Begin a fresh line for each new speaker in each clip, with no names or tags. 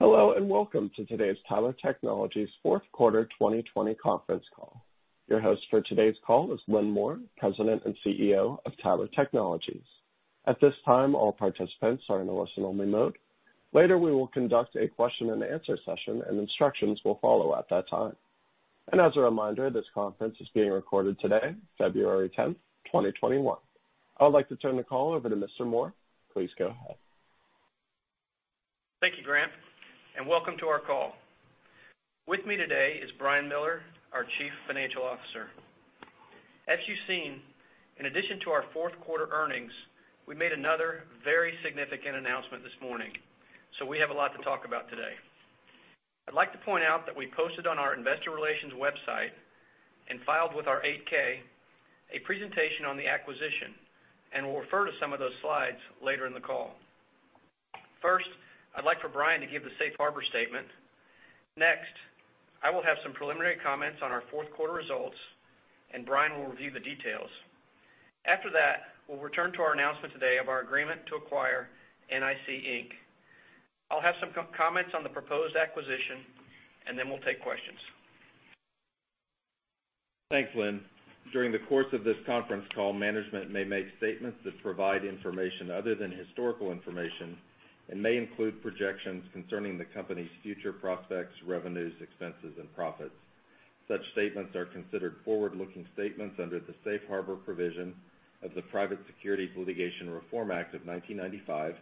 Hello, and welcome to today's Tyler Technologies fourth quarter 2020 conference call. Your host for today's call is Lynn Moore, President and CEO of Tyler Technologies. At this time, all participants are in a listen-only mode. Later, we will conduct a question-and-answer session, and instructions will follow at that time. As a reminder, this conference is being recorded today, February 10th, 2021. I would like to turn the call over to Mr. Moore. Please go ahead.
Thank you, Grant, and welcome to our call. With me today is Brian Miller, our Chief Financial Officer. As you've seen, in addition to our fourth quarter earnings, we made another very significant announcement this morning. We have a lot to talk about today. I'd like to point out that we posted on our investor relations website and filed with our 8-K, a presentation on the acquisition, and we'll refer to some of those slides later in the call. I'd like for Brian to give the safe harbor statement. I will have some preliminary comments on our fourth quarter results, and Brian will review the details. We'll return to our announcement today of our agreement to acquire NIC Inc. I'll have some comments on the proposed acquisition, and then we'll take questions.
Thanks, Lynn. During the course of this conference call, management may make statements that provide information other than historical information and may include projections concerning the company's future prospects, revenues, expenses, and profits. Such statements are considered forward-looking statements under the safe harbor provisions of the Private Securities Litigation Reform Act of 1995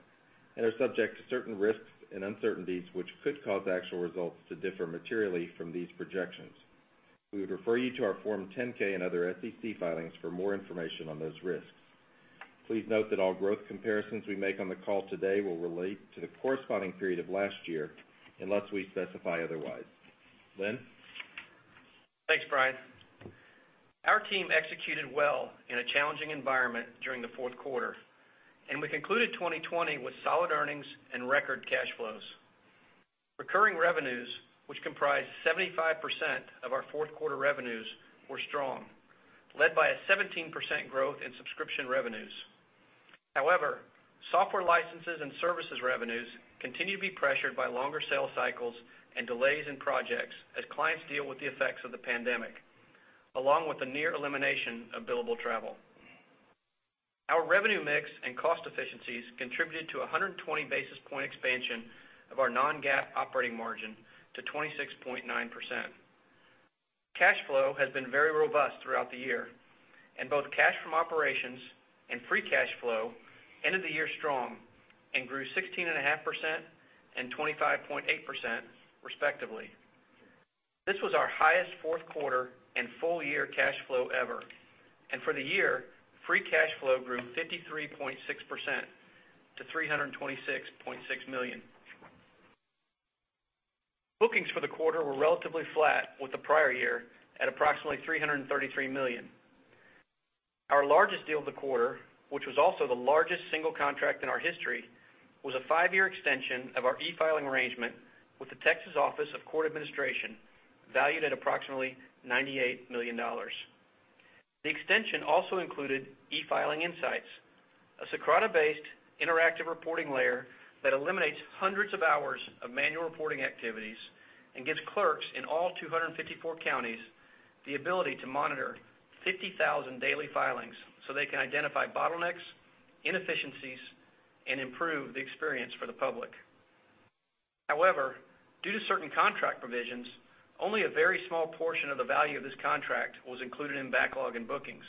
and are subject to certain risks and uncertainties which could cause actual results to differ materially from these projections. We would refer you to our Form 10-K and other SEC filings for more information on those risks. Please note that all growth comparisons we make on the call today will relate to the corresponding period of last year unless we specify otherwise. Lynn?
Thanks, Brian. We concluded 2020 with solid earnings and record cash flows. Recurring revenues, which comprise 75% of our fourth quarter revenues, were strong, led by a 17% growth in subscription revenues. However, software licenses and services revenues continue to be pressured by longer sales cycles and delays in projects as clients deal with the effects of the pandemic, along with the near elimination of billable travel. Our revenue mix and cost efficiencies contributed to 120 basis point expansion of our non-GAAP operating margin to 26.9%. Cash flow has been very robust throughout the year, and both cash from operations and free cash flow ended the year strong and grew 16.5% and 25.8% respectively. This was our highest fourth quarter and full year cash flow ever, and for the year, free cash flow grew 53.6% to $326.6 million. Bookings for the quarter were relatively flat with the prior year at approximately $333 million. Our largest deal of the quarter, which was also the largest single contract in our history, was a five-year extension of our e-filing arrangement with the Texas Office of Court Administration, valued at approximately $98 million. The extension also included eFile Insights, a Socrata-based interactive reporting layer that eliminates 100s of hours of manual reporting activities and gives clerks in all 254 counties the ability to monitor 50,000 daily filings so they can identify bottlenecks, inefficiencies, and improve the experience for the public. However, due to certain contract provisions, only a very small portion of the value of this contract was included in backlog and bookings.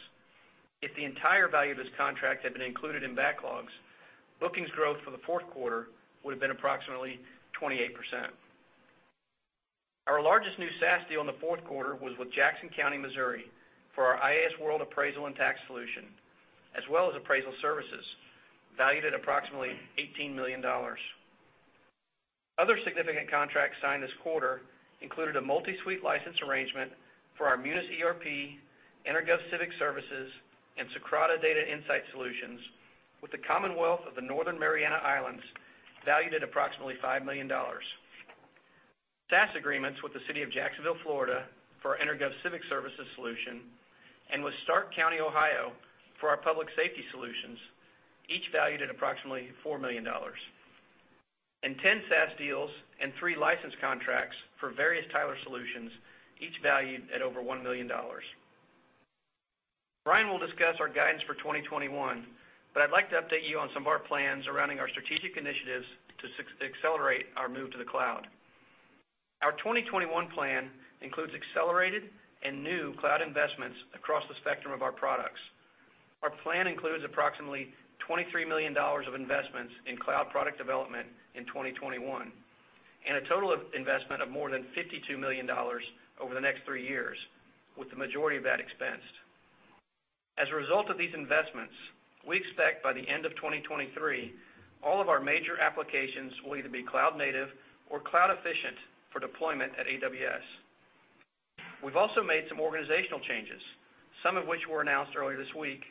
If the entire value of this contract had been included in backlogs, bookings growth for the fourth quarter would have been approximately 28%. Our largest new SaaS deal in the fourth quarter was with Jackson County, Missouri, for our iasWorld appraisal and tax solution, as well as appraisal services valued at approximately $18 million. Other significant contracts signed this quarter included a multi-suite license arrangement for our Munis ERP, EnerGov civic services, and Socrata Data Insights with the Commonwealth of the Northern Mariana Islands, valued at approximately $5 million. SaaS agreements with the City of Jacksonville, Florida, for our EnerGov civic services solution, and with Stark County, Ohio, for our public safety solutions, each valued at approximately $4 million. 10 SaaS deals and three license contracts for various Tyler solutions, each valued at over $1 million. Brian will discuss our guidance for 2021, but I'd like to update you on some of our plans surrounding our strategic initiatives to accelerate our move to the cloud. Our 2021 plan includes accelerated and new cloud investments across the spectrum of our products. Our plan includes approximately $23 million of investments in cloud product development in 2021, and a total investment of more than $52 million over the next three years, with the majority of that expensed. As a result of these investments, we expect by the end of 2023, all of our major applications will either be cloud-native or cloud-efficient for deployment at AWS. We've also made some organizational changes, some of which were announced earlier this week,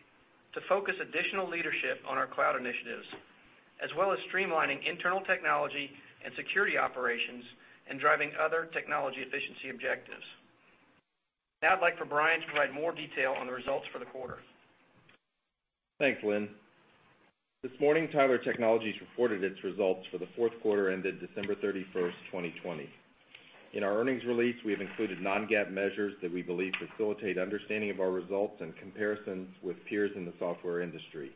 to focus additional leadership on our cloud initiatives, as well as streamlining internal technology and security operations and driving other technology efficiency objectives. Now I'd like for Brian to provide more detail on the results for the quarter.
Thanks, Lynn. This morning, Tyler Technologies reported its results for the fourth quarter ended December 31st, 2020. In our earnings release, we have included non-GAAP measures that we believe facilitate understanding of our results and comparisons with peers in the software industry.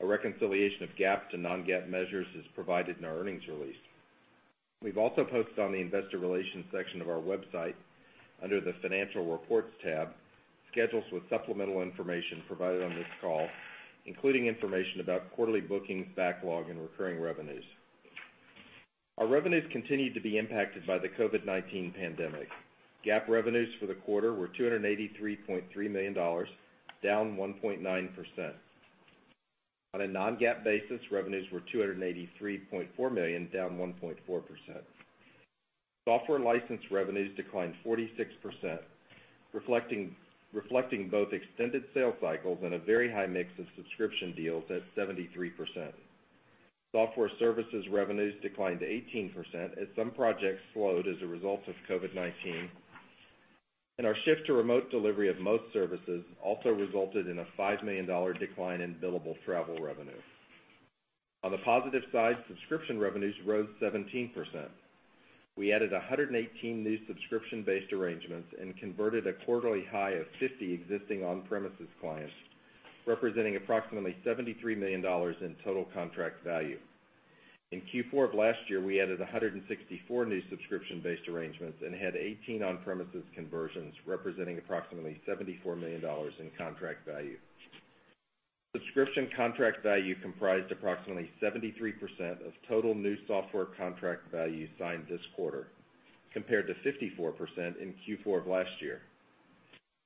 A reconciliation of GAAP to non-GAAP measures is provided in our earnings release. We've also posted on the investor relations section of our website, under the financial reports tab, schedules with supplemental information provided on this call, including information about quarterly bookings, backlog, and recurring revenues. Our revenues continued to be impacted by the COVID-19 pandemic. GAAP revenues for the quarter were $283.3 million, down 1.9%. On a non-GAAP basis, revenues were $283.4 million, down 1.4%. Software license revenues declined 46%, reflecting both extended sales cycles and a very high mix of subscription deals at 73%. Software services revenues declined 18% as some projects slowed as a result of COVID-19. Our shift to remote delivery of most services also resulted in a $5 million decline in billable travel revenue. On the positive side, subscription revenues rose 17%. We added 118 new subscription-based arrangements and converted a quarterly high of 50 existing on-premises clients, representing approximately $73 million in total contract value. In Q4 of last year, we added 164 new subscription-based arrangements and had 18 on-premises conversions, representing approximately $74 million in contract value. Subscription contract value comprised approximately 73% of total new software contract value signed this quarter, compared to 54% in Q4 of last year.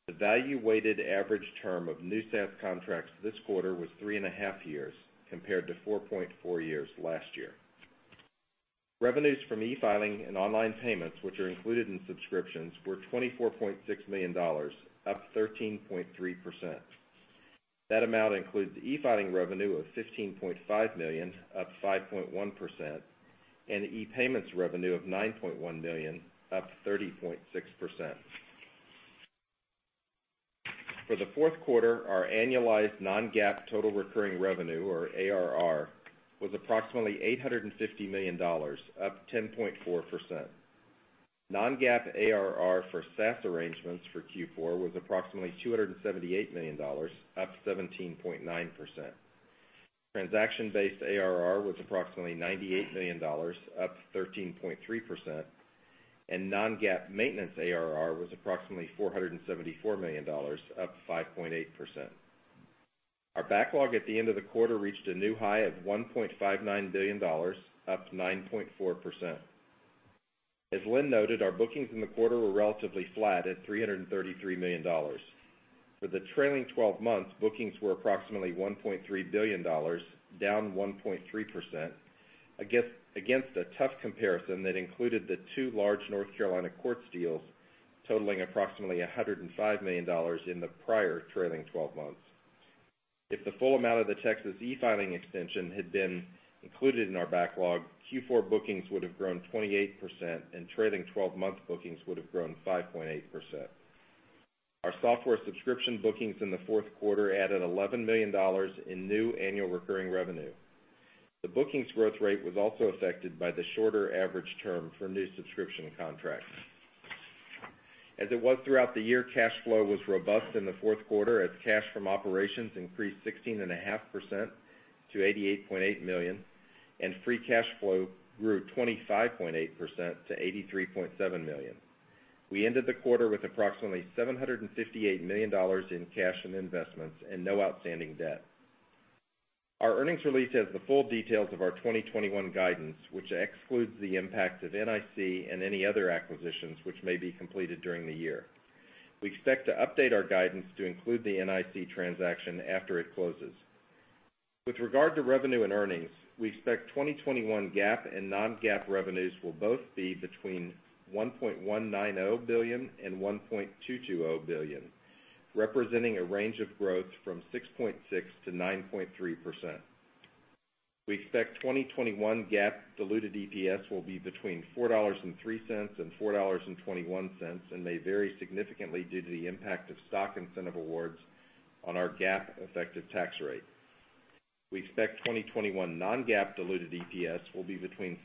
The value-weighted average term of new SaaS contracts this quarter was three and a half years, compared to 4.4 years last year. Revenues from e-filing and online payments, which are included in subscriptions, were $24.6 million, up 13.3%. That amount includes e-filing revenue of $15.5 million, up 5.1%, and e-payments revenue of $9.1 million, up 30.6%. For the fourth quarter, our annualized non-GAAP total recurring revenue, or ARR, was approximately $850 million, up 10.4%. Non-GAAP ARR for SaaS arrangements for Q4 was approximately $278 million, up 17.9%. Transaction-based ARR was approximately $98 million, up 13.3%, and non-GAAP maintenance ARR was approximately $474 million, up 5.8%. Our backlog at the end of the quarter reached a new high of $1.59 billion, up 9.4%. As Lynn noted, our bookings in the quarter were relatively flat at $333 million. For the trailing 12 months, bookings were approximately $1.3 billion, down 1.3%, against a tough comparison that included the two large North Carolina courts deals totaling approximately $105 million in the prior trailing 12 months. If the full amount of the Texas e-filing extension had been included in our backlog, Q4 bookings would have grown 28%, and trailing 12-month bookings would have grown 5.8%. Our software subscription bookings in the fourth quarter added $11 million in new annual recurring revenue. The bookings growth rate was also affected by the shorter average term for new subscription contracts. As it was throughout the year, cash flow was robust in the fourth quarter as cash from operations increased 16.5% to $88.8 million, and free cash flow grew 25.8% to $83.7 million. We ended the quarter with approximately $758 million in cash and investments and no outstanding debt. Our earnings release has the full details of our 2021 guidance, which excludes the impact of NIC and any other acquisitions which may be completed during the year. We expect to update our guidance to include the NIC transaction after it closes. With regard to revenue and earnings, we expect 2021 GAAP and non-GAAP revenues will both be between $1.190 billion-$1.220 billion, representing a range of growth from 6.6%-9.3%. We expect 2021 GAAP diluted EPS will be between $4.03-$4.21, and may vary significantly due to the impact of stock incentive awards on our GAAP effective tax rate. We expect 2021 non-GAAP diluted EPS will be between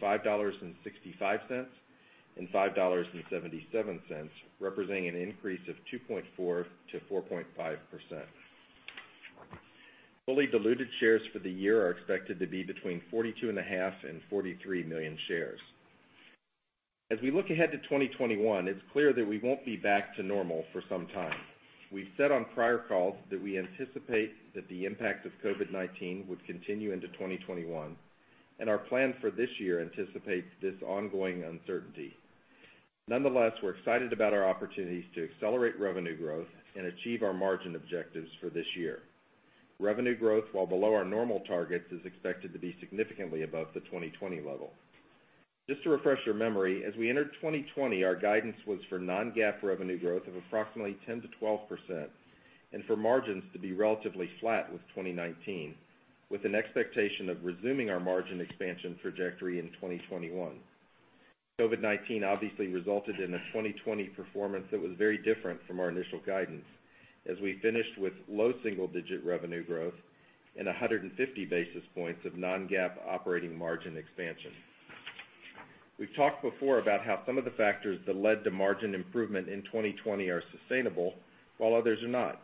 $5.65-$5.77, representing an increase of 2.4%-4.5%. Fully diluted shares for the year are expected to be between 42.5 million-43 million shares. As we look ahead to 2021, it's clear that we won't be back to normal for some time. We've said on prior calls that we anticipate that the impact of COVID-19 would continue into 2021, and our plan for this year anticipates this ongoing uncertainty. Nonetheless, we're excited about our opportunities to accelerate revenue growth and achieve our margin objectives for this year. Revenue growth, while below our normal targets, is expected to be significantly above the 2020 level. Just to refresh your memory, as we entered 2020, our guidance was for non-GAAP revenue growth of approximately 10%-12%, and for margins to be relatively flat with 2019, with an expectation of resuming our margin expansion trajectory in 2021. COVID-19 obviously resulted in a 2020 performance that was very different from our initial guidance, as we finished with low single-digit revenue growth and 150 basis points of non-GAAP operating margin expansion. We've talked before about how some of the factors that led to margin improvement in 2020 are sustainable, while others are not.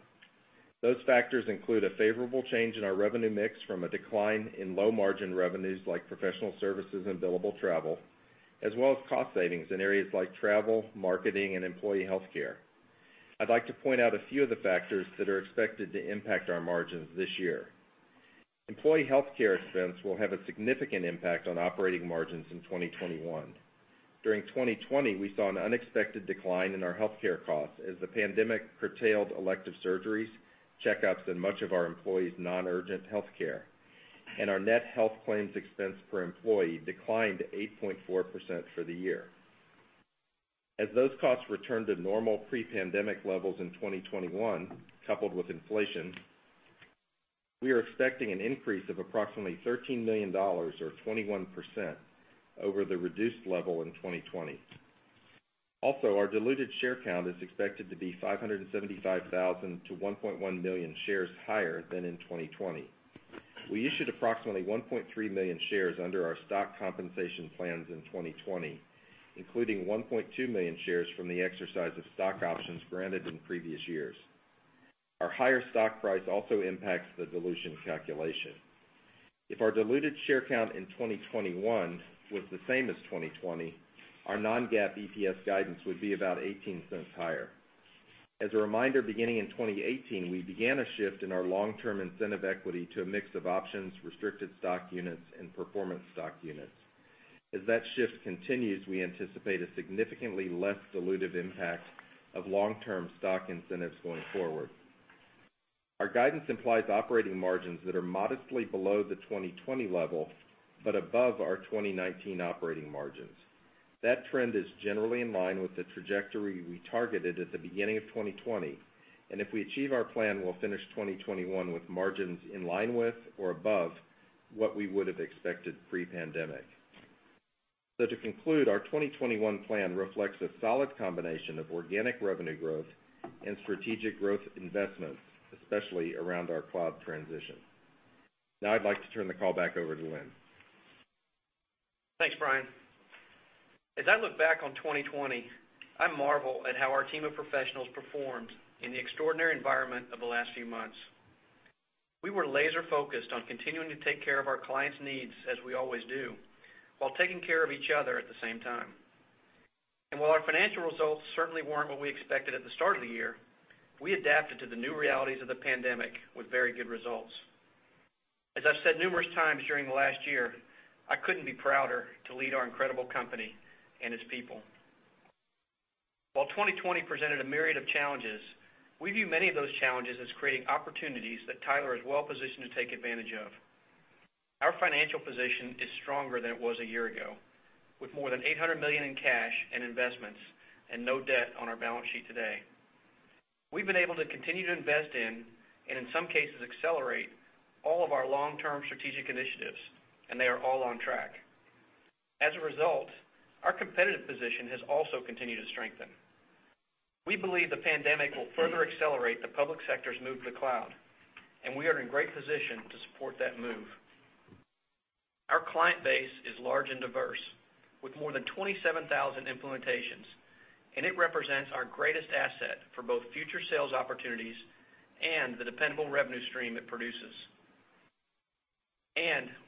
Those factors include a favorable change in our revenue mix from a decline in low-margin revenues like professional services and billable travel, as well as cost savings in areas like travel, marketing, and employee healthcare. I'd like to point out a few of the factors that are expected to impact our margins this year. Employee healthcare expense will have a significant impact on operating margins in 2021. During 2020, we saw an unexpected decline in our healthcare costs as the pandemic curtailed elective surgeries, checkups, and much of our employees' non-urgent healthcare. Our net health claims expense per employee declined 8.4% for the year. As those costs return to normal pre-pandemic levels in 2021, coupled with inflation, we are expecting an increase of approximately $13 million or 21% over the reduced level in 2020. Also, our diluted share count is expected to be 575,000 to 1.1 million shares higher than in 2020. We issued approximately 1.3 million shares under our stock compensation plans in 2020, including 1.2 million shares from the exercise of stock options granted in previous years. Our higher stock price also impacts the dilution calculation. If our diluted share count in 2021 was the same as 2020, our non-GAAP EPS guidance would be about $0.18 higher. As a reminder, beginning in 2018, we began a shift in our long-term incentive equity to a mix of options, restricted stock units, and performance stock units. As that shift continues, we anticipate a significantly less dilutive impact of long-term stock incentives going forward. Our guidance implies operating margins that are modestly below the 2020 level, but above our 2019 operating margins. That trend is generally in line with the trajectory we targeted at the beginning of 2020, and if we achieve our plan, we'll finish 2021 with margins in line with or above what we would have expected pre-pandemic. To conclude, our 2021 plan reflects a solid combination of organic revenue growth and strategic growth investments, especially around our cloud transition. Now I'd like to turn the call back over to Lynn.
Thanks, Brian. As I look back on 2020, I marvel at how our team of professionals performed in the extraordinary environment of the last few months. We were laser-focused on continuing to take care of our clients' needs as we always do, while taking care of each other at the same time. While our financial results certainly weren't what we expected at the start of the year, we adapted to the new realities of the pandemic with very good results. As I've said numerous times during the last year, I couldn't be prouder to lead our incredible company and its people. While 2020 presented a myriad of challenges, we view many of those challenges as creating opportunities that Tyler is well-positioned to take advantage of. Our financial position is stronger than it was a year ago, with more than $800 million in cash and investments and no debt on our balance sheet today. We've been able to continue to invest in, and in some cases accelerate, all of our long-term strategic initiatives, and they are all on track. As a result, our competitive position has also continued to strengthen. We believe the pandemic will further accelerate the public sector's move to the cloud, and we are in great position to support that move. Our client base is large and diverse with more than 27,000 implementations, and it represents our greatest asset for both future sales opportunities and the dependable revenue stream it produces.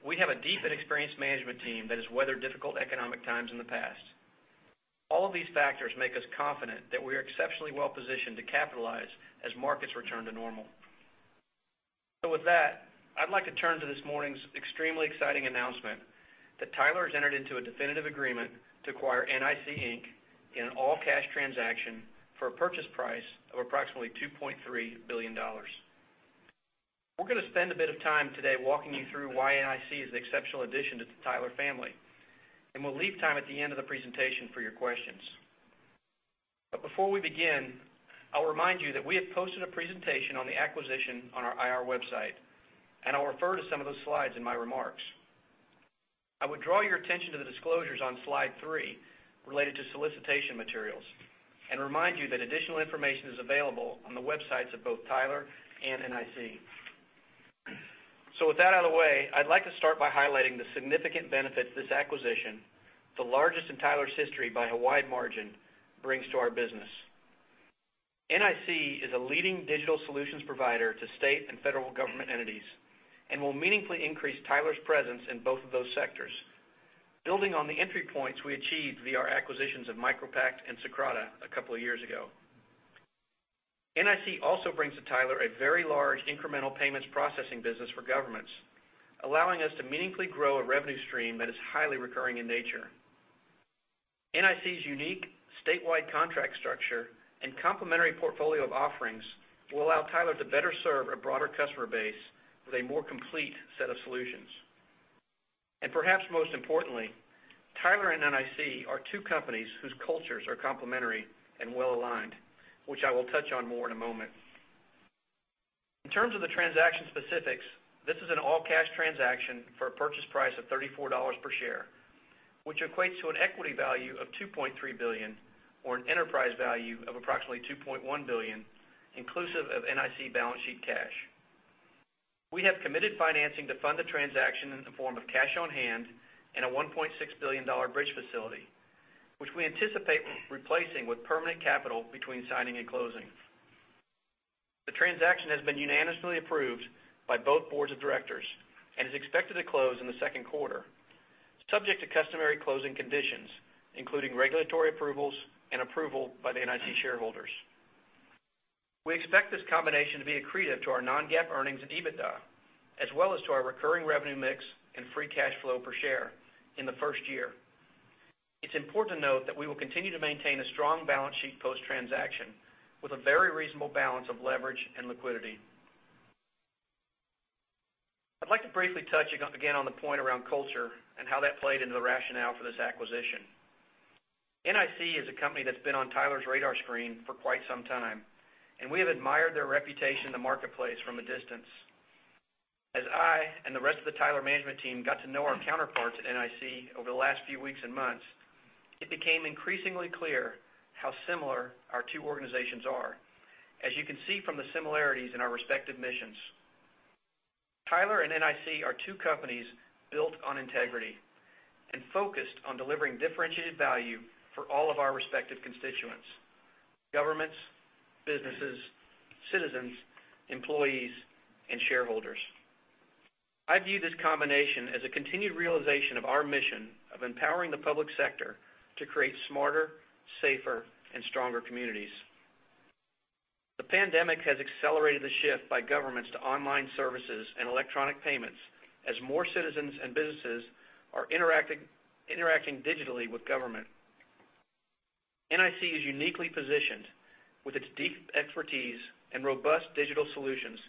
We have a deep and experienced management team that has weathered difficult economic times in the past. All of these factors make us confident that we're exceptionally well-positioned to capitalize as markets return to normal. With that, I'd like to turn to this morning's extremely exciting announcement that Tyler has entered into a definitive agreement to acquire NIC Inc. In an all-cash transaction for a purchase price of approximately $2.3 billion. We're going to spend a bit of time today walking you through why NIC is an exceptional addition to the Tyler family, and we'll leave time at the end of the presentation for your questions. Before we begin, I'll remind you that we have posted a presentation on the acquisition on our IR website, and I'll refer to some of those slides in my remarks. I would draw your attention to the disclosures on slide three related to solicitation materials and remind you that additional information is available on the websites of both Tyler and NIC. With that out of the way, I'd like to start by highlighting the significant benefits this acquisition, the largest in Tyler's history by a wide margin, brings to our business. NIC is a leading digital solutions provider to state and federal government entities and will meaningfully increase Tyler's presence in both of those sectors, building on the entry points we achieved via our acquisitions of MicroPact and Socrata a couple of years ago. NIC also brings to Tyler a very large incremental payments processing business for governments, allowing us to meaningfully grow a revenue stream that is highly recurring in nature. NIC's unique statewide contract structure and complementary portfolio of offerings will allow Tyler to better serve a broader customer base with a more complete set of solutions. Perhaps most importantly, Tyler and NIC are two companies whose cultures are complementary and well-aligned, which I will touch on more in a moment. In terms of the transaction specifics, this is an all-cash transaction for a purchase price of $34 per share, which equates to an equity value of $2.3 billion or an enterprise value of approximately $2.1 billion inclusive of NIC balance sheet cash. We have committed financing to fund the transaction in the form of cash on hand and a $1.6 billion bridge facility, which we anticipate replacing with permanent capital between signing and closing. The transaction has been unanimously approved by both Boards of Directors and is expected to close in the second quarter, subject to customary closing conditions, including regulatory approvals and approval by the NIC shareholders. We expect this combination to be accretive to our non-GAAP earnings and EBITDA, as well as to our recurring revenue mix and free cash flow per share in the first year. It's important to note that we will continue to maintain a strong balance sheet post-transaction with a very reasonable balance of leverage and liquidity. I'd like to briefly touch again on the point around culture and how that played into the rationale for this acquisition. NIC is a company that's been on Tyler's radar screen for quite some time, and we have admired their reputation in the marketplace from a distance. As I and the rest of the Tyler management team got to know our counterparts at NIC over the last few weeks and months, it became increasingly clear how similar our two organizations are, as you can see from the similarities in our respective missions. Tyler and NIC are two companies built on integrity and focused on delivering differentiated value for all of our respective constituents, governments, businesses, citizens, employees, and shareholders. I view this combination as a continued realization of our mission of empowering the public sector to create smarter, safer, and stronger communities. The pandemic has accelerated the shift by governments to online services and electronic payments as more citizens and businesses are interacting digitally with government. NIC is uniquely positioned with its deep expertise and robust digital solutions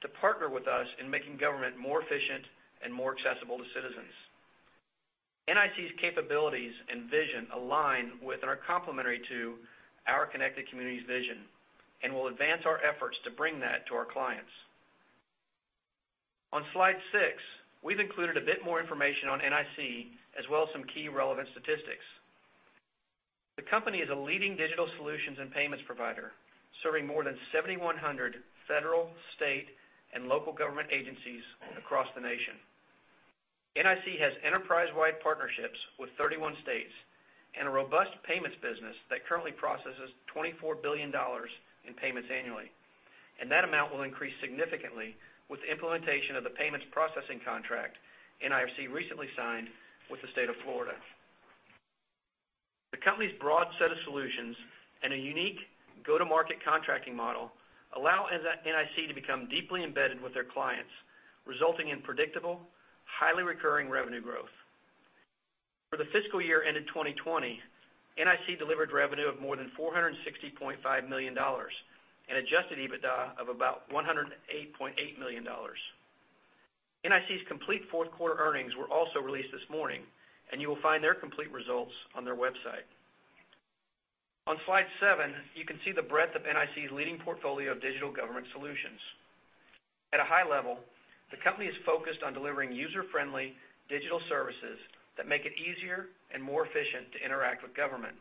to partner with us in making government more efficient and more accessible to citizens. NIC's capabilities and vision align with and are complementary to our connected communities vision and will advance our efforts to bring that to our clients. On slide six, we've included a bit more information on NIC as well as some key relevant statistics. The company is a leading digital solutions and payments provider, serving more than 7,100 federal, state, and local government agencies across the nation. NIC has enterprise-wide partnerships with 31 states and a robust payments business that currently processes $24 billion in payments annually. That amount will increase significantly with implementation of the payments processing contract NIC recently signed with the State of Florida. The company's broad set of solutions and a unique go-to-market contracting model allow NIC to become deeply embedded with their clients, resulting in predictable, highly recurring revenue growth. For the fiscal year ended 2020, NIC delivered revenue of more than $460.5 million and adjusted EBITDA of about $108.8 million. NIC's complete fourth quarter earnings were also released this morning, and you will find their complete results on their website. On slide seven, you can see the breadth of NIC's leading portfolio of digital government solutions. At a high level, the company is focused on delivering user-friendly digital services that make it easier and more efficient to interact with government,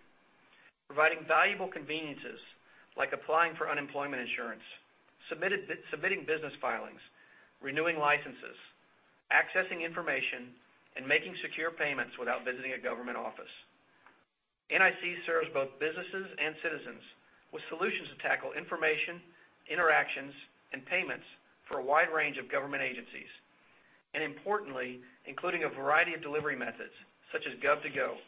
providing valuable conveniences like applying for unemployment insurance, submitting business filings, renewing licenses, accessing information, and making secure payments without visiting a government office. NIC serves both businesses and citizens with solutions to tackle information, interactions, and payments for a wide range of government agencies, and importantly, including a variety of delivery methods, such as Gov2Go,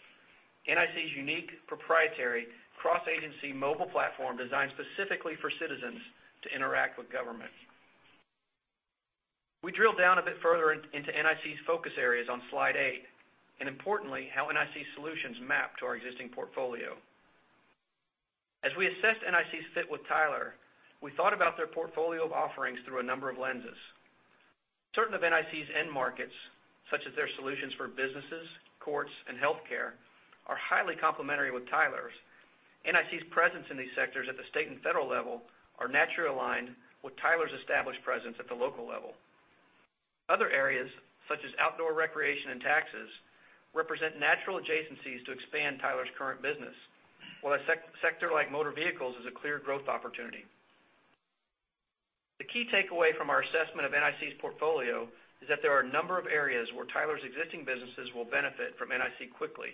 NIC's unique proprietary cross-agency mobile platform designed specifically for citizens to interact with government. We drill down a bit further into NIC's focus areas on slide eight, and importantly, how NIC solutions map to our existing portfolio. As we assess NIC's fit with Tyler, we thought about their portfolio of offerings through a number of lenses. Certain of NIC's end markets, such as their solutions for businesses, courts, and healthcare, are highly complementary with Tyler's. NIC's presence in these sectors at the state and federal level are naturally aligned with Tyler's established presence at the local level. Other areas, such as outdoor recreation and taxes, represent natural adjacencies to expand Tyler's current business, while a sector like motor vehicles is a clear growth opportunity. The key takeaway from our assessment of NIC's portfolio is that there are a number of areas where Tyler's existing businesses will benefit from NIC quickly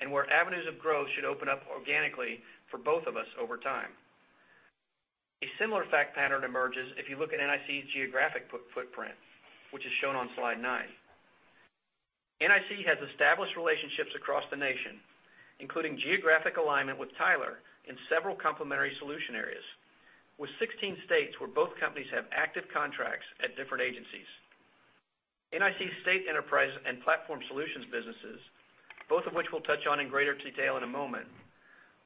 and where avenues of growth should open up organically for both of us over time. A similar fact pattern emerges if you look at NIC's geographic footprint, which is shown on slide nine. NIC has established relationships across the nation, including geographic alignment with Tyler in several complementary solution areas with 16 states where both companies have active contracts at different agencies. NIC state enterprise and platform solutions businesses, both of which we'll touch on in greater detail in a moment,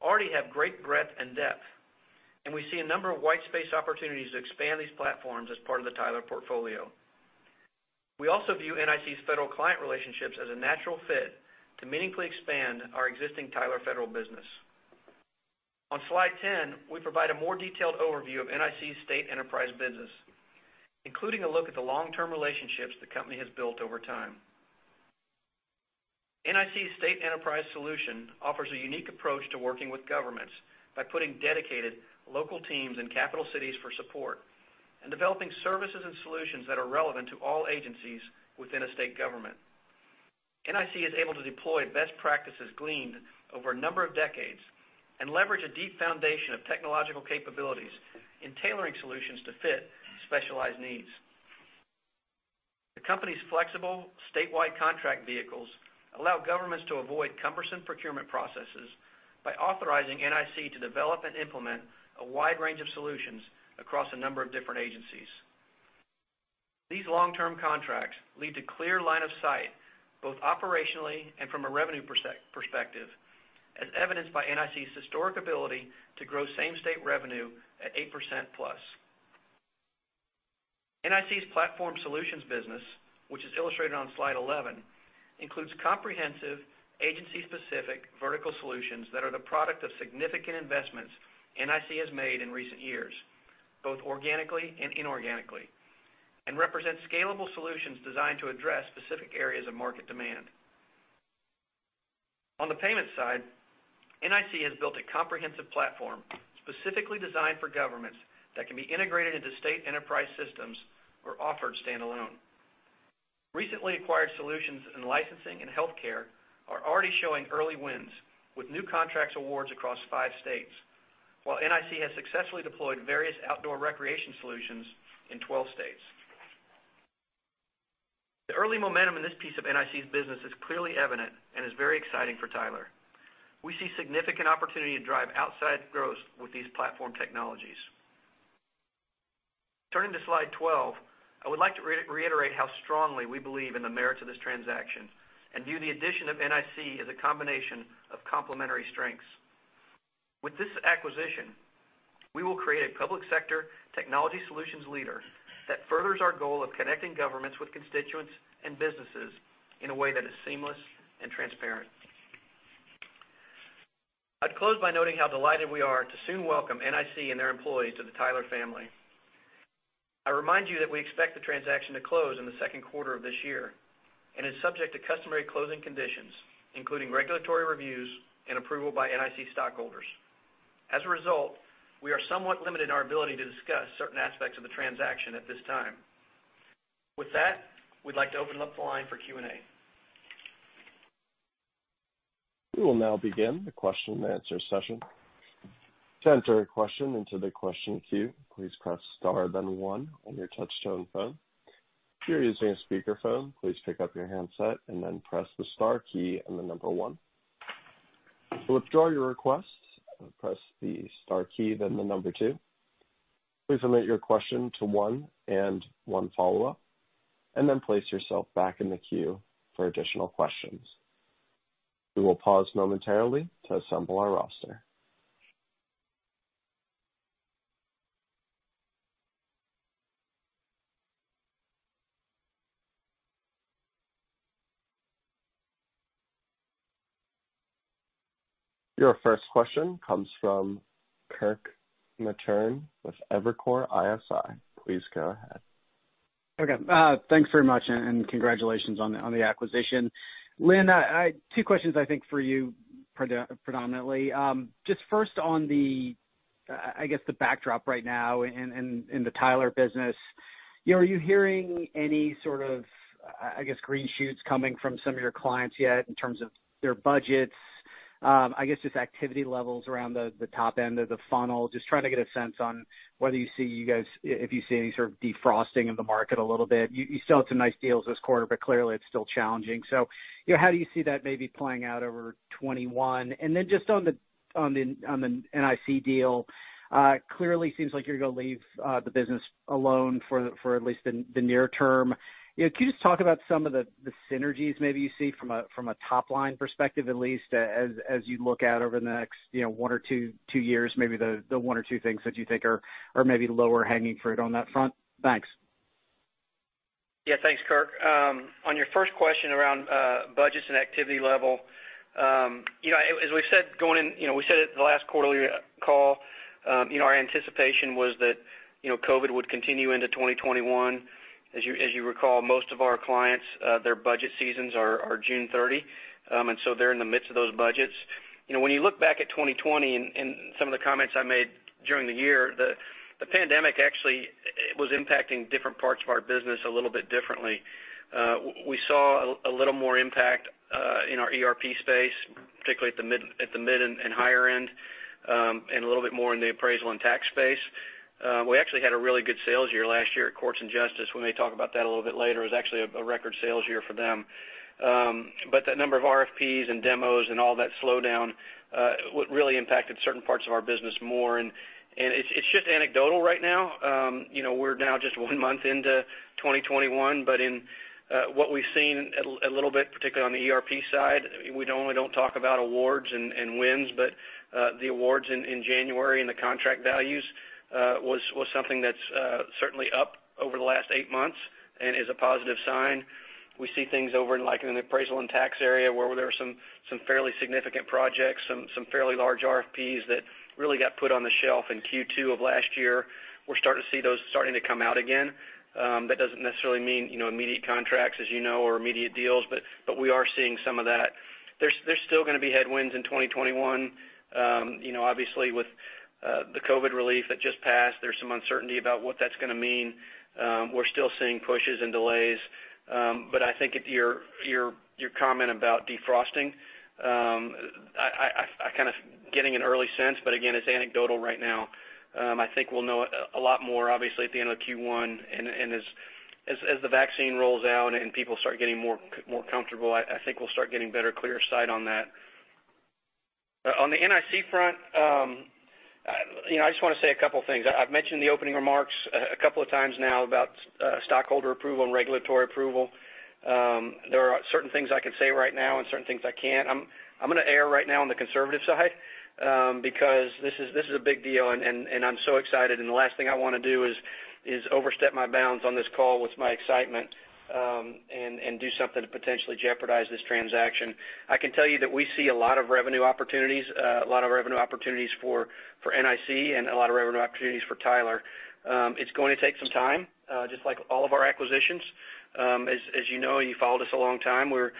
already have great breadth and depth, and we see a number of white space opportunities to expand these platforms as part of the Tyler portfolio. We also view NIC's federal client relationships as a natural fit to meaningfully expand our existing Tyler federal business. On slide 10, we provide a more detailed overview of NIC's State Enterprise business, including a look at the long-term relationships the company has built over time. NIC's State Enterprise Solution offers a unique approach to working with governments by putting dedicated local teams in capital cities for support and developing services and solutions that are relevant to all agencies within a state government. NIC is able to deploy best practices gleaned over a number of decades and leverage a deep foundation of technological capabilities in tailoring solutions to fit specialized needs. The company's flexible statewide contract vehicles allow governments to avoid cumbersome procurement processes by authorizing NIC to develop and implement a wide range of solutions across a number of different agencies. These long-term contracts lead to clear line of sight, both operationally and from a revenue perspective, as evidenced by NIC's historic ability to grow same-state revenue at 8%+. NIC's Platform Solutions business, which is illustrated on slide 11, includes comprehensive agency-specific vertical solutions that are the product of significant investments NIC has made in recent years, both organically and inorganically, and represents scalable solutions designed to address specific areas of market demand. On the payment side, NIC has built a comprehensive platform specifically designed for governments that can be integrated into state enterprise systems or offered standalone. Recently acquired solutions in licensing and healthcare are already showing early wins with new contracts awards across five states, while NIC has successfully deployed various outdoor recreation solutions in 12 states. The early momentum in this piece of NIC's business is clearly evident and is very exciting for Tyler. We see significant opportunity to drive outside growth with these platform technologies. Turning to slide 12, I would like to reiterate how strongly we believe in the merits of this transaction and view the addition of NIC as a combination of complementary strengths. With this acquisition, we will create a public sector technology solutions leader that furthers our goal of connecting governments with constituents and businesses in a way that is seamless and transparent. I'd close by noting how delighted we are to soon welcome NIC and their employees to the Tyler family. I remind you that we expect the transaction to close in the second quarter of this year and is subject to customary closing conditions, including regulatory reviews and approval by NIC stockholders. As a result, we are somewhat limited in our ability to discuss certain aspects of the transaction at this time. With that, we'd like to open up the line for Q&A.
We will now begin the question-and-answer session. To enter a question into the question queue, please press star then one on your touch-tone phone. If you're using a speakerphone, please pick up your handset and then press the star key and the number one. To withdraw your request, press the star key, then the number two. Please limit your question to one and one follow-up, and then place yourself back in the queue for additional questions. We will pause momentarily to assemble our roster. Your first question comes from Kirk Materne with Evercore ISI. Please go ahead.
Okay, thanks very much, and congratulations on the acquisition. Lynn, two questions, I think, for you predominantly. Just first on the backdrop right now in the Tyler business, are you hearing any sort of green shoots coming from some of your clients yet in terms of their budgets, just activity levels around the top end of the funnel? Just trying to get a sense on whether you see any sort of defrosting of the market a little bit. You still have some nice deals this quarter, clearly, it's still challenging. How do you see that maybe playing out over 2021? Just on the NIC deal, clearly seems like you're going to leave the business alone for at least the near term. Could you just talk about some of the synergies maybe you see from a top-line perspective, at least as you look out over the next one or two years, maybe the one or two things that you think are maybe lower hanging fruit on that front? Thanks.
Yeah, thanks, Kirk. On your first question around budgets and activity level, as we said at the last quarterly call, our anticipation was that COVID-19 would continue into 2021. As you recall, most of our clients, their budget seasons are June 30, and so they're in the midst of those budgets. When you look back at 2020 and some of the comments I made during the year, the pandemic actually was impacting different parts of our business a little bit differently. We saw a little more impact in our ERP space, particularly at the mid and higher end, and a little bit more in the appraisal and tax space. We actually had a really good sales year last year at Courts and Justice. We may talk about that a little bit later. It was actually a record sales year for them. That number of RFPs and demos and all that slowdown would really impacted certain parts of our business more. It's just anecdotal right now. We're now just one month into 2021, but in what we've seen a little bit, particularly on the ERP side, we normally don't talk about awards and wins, but the awards in January and the contract values was something that's certainly up over the last eight months and is a positive sign. We see things over in like in the appraisal and tax area where there are some fairly significant projects, some fairly large RFPs that really got put on the shelf in Q2 of last year. We're starting to see those starting to come out again. That doesn't necessarily mean immediate contracts, as you know, or immediate deals, but we are seeing some of that. There's still going to be headwinds in 2021. Obviously, with the COVID relief that just passed, there's some uncertainty about what that's going to mean. We're still seeing pushes and delays. I think your comment about defrosting, I kind of getting an early sense, but again, it's anecdotal right now. I think we'll know a lot more, obviously, at the end of Q1 and as the vaccine rolls out and people start getting more comfortable, I think we'll start getting better, clearer sight on that. On the NIC front, I just want to say a couple things. I've mentioned in the opening remarks a couple of times now about stockholder approval and regulatory approval. There are certain things I can say right now and certain things I can't. I'm going to err right now on the conservative side, because this is a big deal, and I'm so excited, and the last thing I want to do is overstep my bounds on this call with my excitement and do something to potentially jeopardize this transaction. I can tell you that we see a lot of revenue opportunities for NIC and a lot of revenue opportunities for Tyler. It's going to take some time, just like all of our acquisitions. As you know, you followed us a long time, we're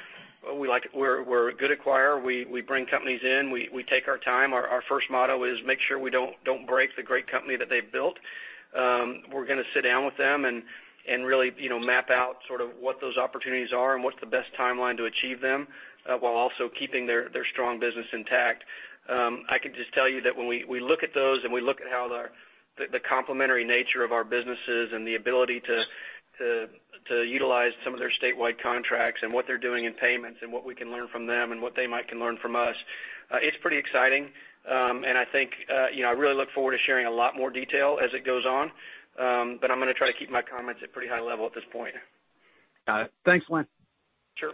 a good acquirer. We bring companies in. We take our time. Our first motto is make sure we don't break the great company that they've built. We're going to sit down with them and really map out sort of what those opportunities are and what's the best timeline to achieve them, while also keeping their strong business intact. I can just tell you that when we look at those and we look at how the complementary nature of our businesses and the ability to utilize some of their statewide contracts and what they're doing in payments and what we can learn from them and what they might can learn from us, it's pretty exciting. I think I really look forward to sharing a lot more detail as it goes on. I'm going to try to keep my comments at pretty high level at this point.
Got it. Thanks, Lynn.
Sure.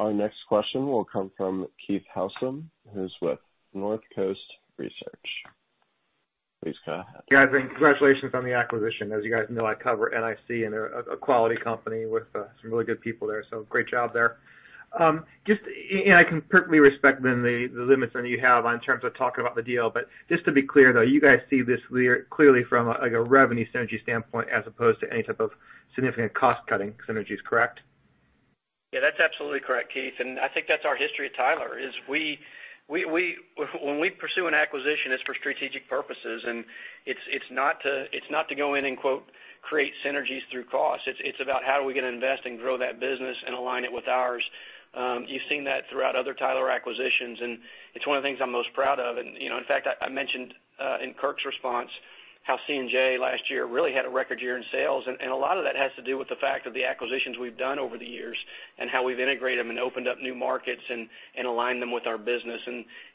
Our next question will come from Keith Housum, who's with Northcoast Research. Please go ahead.
Yeah. Congratulations on the acquisition. As you guys know, I cover NIC and they're a quality company with some really good people there. Great job there. I can perfectly respect the limits that you have in terms of talking about the deal. Just to be clear, though, you guys see this clearly from a revenue synergy standpoint as opposed to any type of significant cost-cutting synergies, correct?
Yeah, that's absolutely correct, Keith. I think that's our history at Tyler is when we pursue an acquisition, it's for strategic purposes, and it's not to go in and quote, "create synergies through cost." It's about how are we going to invest and grow that business and align it with ours. You've seen that throughout other Tyler acquisitions, it's one of the things I'm most proud of. In fact, I mentioned in Kirk's response how C&J last year really had a record year in sales. A lot of that has to do with the fact of the acquisitions we've done over the years and how we've integrated them and opened up new markets and aligned them with our business.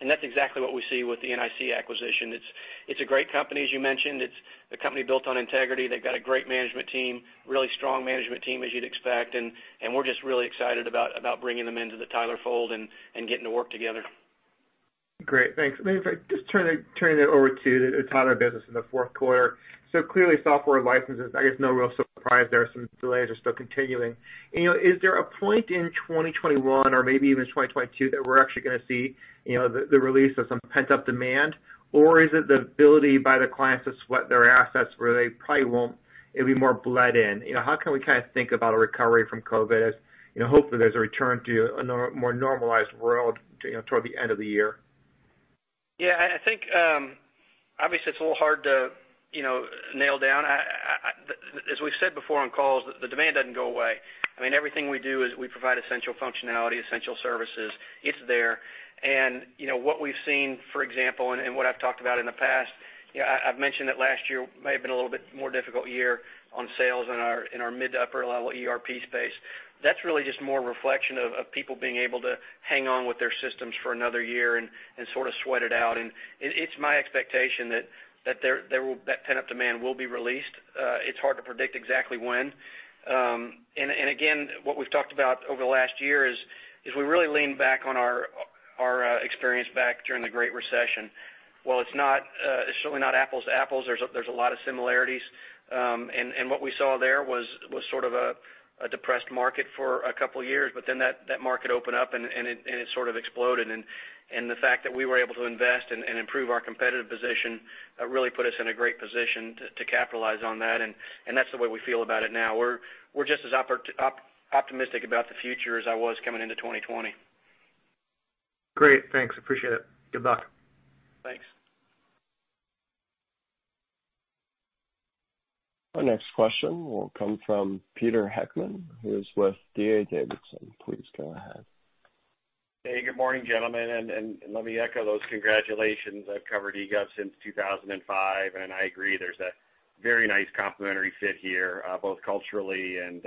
That's exactly what we see with the NIC acquisition. It's a great company, as you mentioned. It's a company built on integrity. They've got a great management team, really strong management team as you'd expect, and we're just really excited about bringing them into the Tyler fold and getting to work together.
Great. Thanks. Maybe if I just turn it over to the Tyler business in the fourth quarter. Clearly software licenses, I guess no real surprise there, some delays are still continuing. Is there a point in 2021 or maybe even 2022 that we're actually going to see the release of some pent-up demand? Is it the ability by the clients to sweat their assets where they probably won't, it'll be more bled in? How can we think about a recovery from COVID as hopefully there's a return to a more normalized world toward the end of the year?
Yeah, I think, obviously, it's a little hard to nail down. As we've said before on calls, the demand doesn't go away. I mean, everything we do is we provide essential functionality, essential services. It's there. What we've seen, for example, and what I've talked about in the past, I've mentioned that last year may have been a little bit more difficult year on sales in our mid to upper level ERP space. That's really just more reflection of people being able to hang on with their systems for another year and sort of sweat it out. It's my expectation that that pent-up demand will be released. It's hard to predict exactly when. Again, what we've talked about over the last year is we really leaned back on our experience back during the Great Recession. While it's certainly not apples to apples, there's a lot of similarities. What we saw there was sort of a depressed market for a couple of years, but then that market opened up, and it sort of exploded. The fact that we were able to invest and improve our competitive position really put us in a great position to capitalize on that. That's the way we feel about it now. We're just as optimistic about the future as I was coming into 2020.
Great. Thanks. Appreciate it. Good luck.
Thanks.
Our next question will come from Peter Heckmann, who's with D.A. Davidson. Please go ahead.
Hey, good morning, gentlemen. Let me echo those congratulations. I've covered EGOV since 2005, and I agree, there's a very nice complementary fit here, both culturally and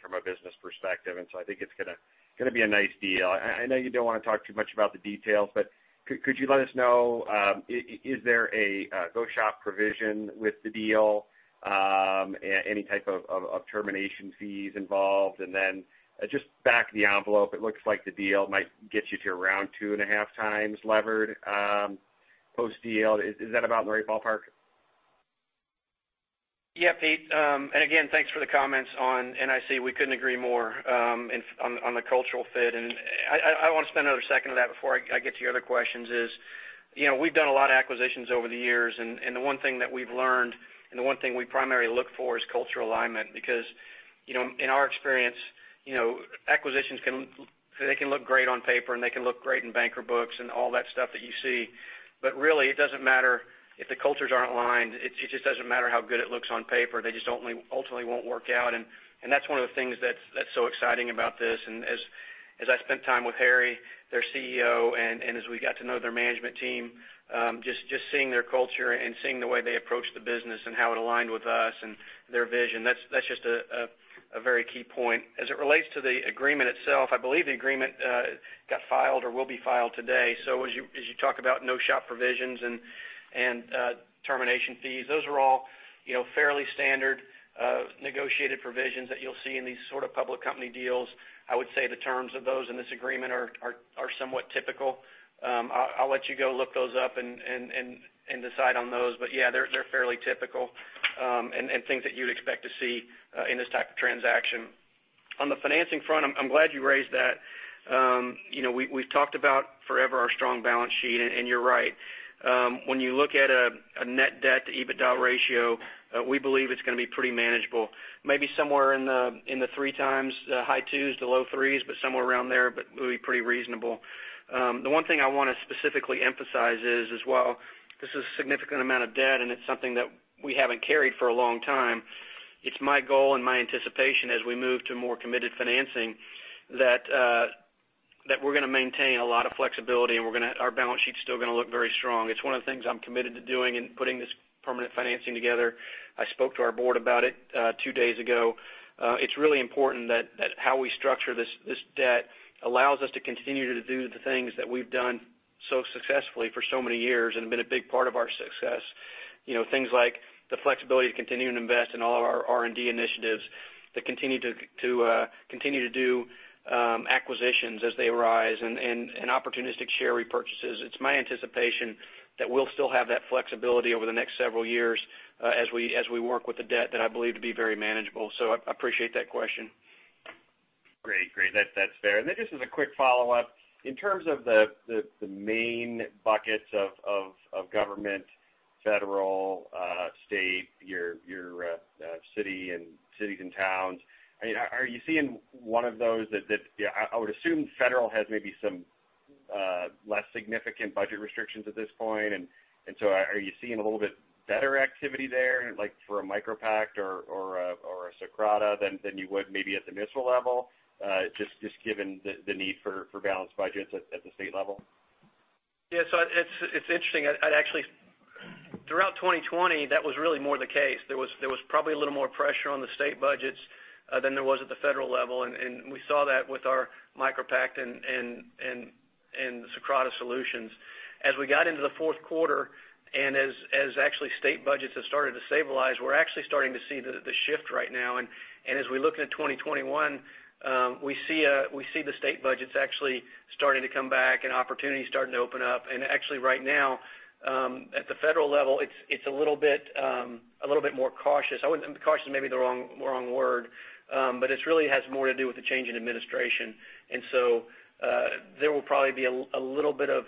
from a business perspective. I think it's going to be a nice deal. I know you don't want to talk too much about the details, but could you let us know, is there a go-shop provision with the deal? Any type of termination fees involved? Just back of the envelope, it looks like the deal might get you to around 2.5x levered post-deal. Is that about in the right ballpark?
Yeah, Pete. Again, thanks for the comments on NIC. We couldn't agree more on the cultural fit. I want to spend another second on that before I get to your other questions is, we've done a lot of acquisitions over the years, and the one thing that we've learned, and the one thing we primarily look for is cultural alignment. In our experience, acquisitions can look great on paper, and they can look great in banker books and all that stuff that you see. Really, it doesn't matter if the cultures aren't aligned. It just doesn't matter how good it looks on paper. They just ultimately won't work out. That's one of the things that's so exciting about this. As I spent time with Harry, their CEO, and as we got to know their management team, just seeing their culture and seeing the way they approach the business and how it aligned with us and their vision, that's just a very key point. As it relates to the agreement itself, I believe the agreement got filed or will be filed today. As you talk about no-shop provisions and termination fees, those are all fairly standard negotiated provisions that you'll see in these sort of public company deals. I would say the terms of those in this agreement are somewhat typical. I'll let you go look those up and decide on those. Yeah, they're fairly typical and things that you'd expect to see in this type of transaction. On the financing front, I'm glad you raised that. We've talked about forever our strong balance sheet, and you're right. When you look at a net debt to EBITDA ratio, we believe it's going to be pretty manageable. Maybe somewhere in the three times, high twos to low threes, but somewhere around there, but it will be pretty reasonable. The one thing I want to specifically emphasize as well, this is a significant amount of debt, and it's something that we haven't carried for a long time. It's my goal and my anticipation as we move to more committed financing that we're going to maintain a lot of flexibility, and our balance sheet's still going to look very strong. It's one of the things I'm committed to doing in putting this permanent financing together. I spoke to our board about it two days ago. It's really important that how we structure this debt allows us to continue to do the things that we've done so successfully for so many years and have been a big part of our success. Things like the flexibility to continue to invest in all of our R&D initiatives, to continue to do acquisitions as they arise, and opportunistic share repurchases. It's my anticipation that we'll still have that flexibility over the next several years as we work with the debt that I believe to be very manageable. I appreciate that question.
Great. That's fair. Then just as a quick follow-up, in terms of the main buckets of government, federal, state, your cities and towns, are you seeing one of those that— I would assume federal has maybe some less significant budget restrictions at this point. Are you seeing a little bit better activity there, like for a MicroPact or a Socrata than you would maybe at the municipal level? Just given the need for balanced budgets at the state level.
It's interesting. Throughout 2020, that was really more the case. There was probably a little more pressure on the state budgets than there was at the federal level, and we saw that with our MicroPact and the Socrata solutions. We got into the fourth quarter, and as actually state budgets have started to stabilize, we're actually starting to see the shift right now. We look at 2021, we see the state budgets actually starting to come back and opportunities starting to open up. Actually right now, at the federal level, it's a little bit more cautious. Cautious may be the wrong word. This really has more to do with the change in administration. There will probably be a little bit of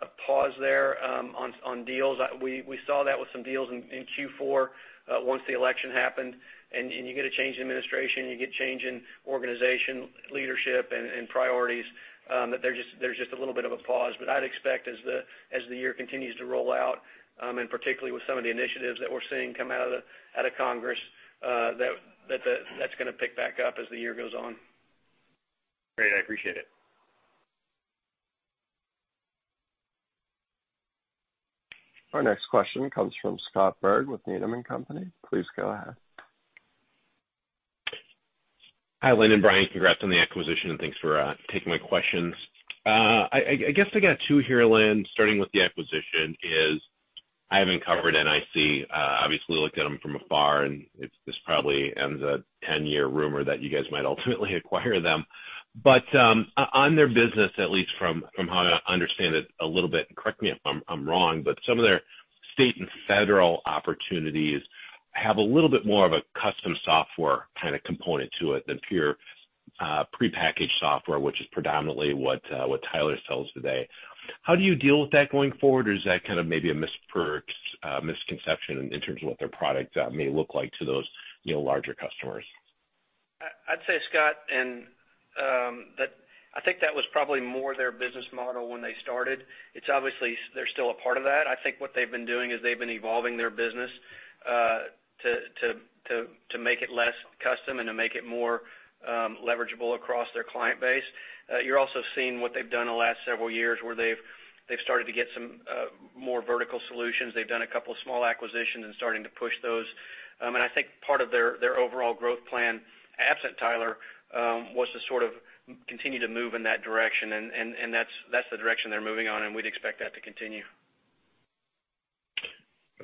a pause there on deals. We saw that with some deals in Q4 once the election happened. You get a change in administration, you get change in organization leadership and priorities, that there's just a little bit of a pause. I'd expect as the year continues to roll out, and particularly with some of the initiatives that we're seeing come out of Congress, that's going to pick back up as the year goes on.
Great. I appreciate it.
Our next question comes from Scott Berg with Needham & Company. Please go ahead.
Hi, Lynn and Brian. Congrats on the acquisition, and thanks for taking my questions. I guess I got two here, Lynn. Starting with the acquisition is I haven't covered NIC. Obviously looked at them from afar, and this probably ends a 10-year rumor that you guys might ultimately acquire them. On their business, at least from how I understand it a little bit, and correct me if I'm wrong, but some of their state and federal opportunities have a little bit more of a custom software kind of component to it than pure prepackaged software, which is predominantly what Tyler sells today. How do you deal with that going forward, or is that kind of maybe a misconception in terms of what their product may look like to those larger customers?
I'd say, Scott, I think that was probably more their business model when they started. Obviously, they're still a part of that. I think what they've been doing is they've been evolving their business to make it less custom and to make it more leverageable across their client base. You're also seeing what they've done in the last several years, where they've started to get some more vertical solutions. They've done a couple of small acquisitions and starting to push those. I think part of their overall growth plan, absent Tyler, was to sort of continue to move in that direction. That's the direction they're moving on, and we'd expect that to continue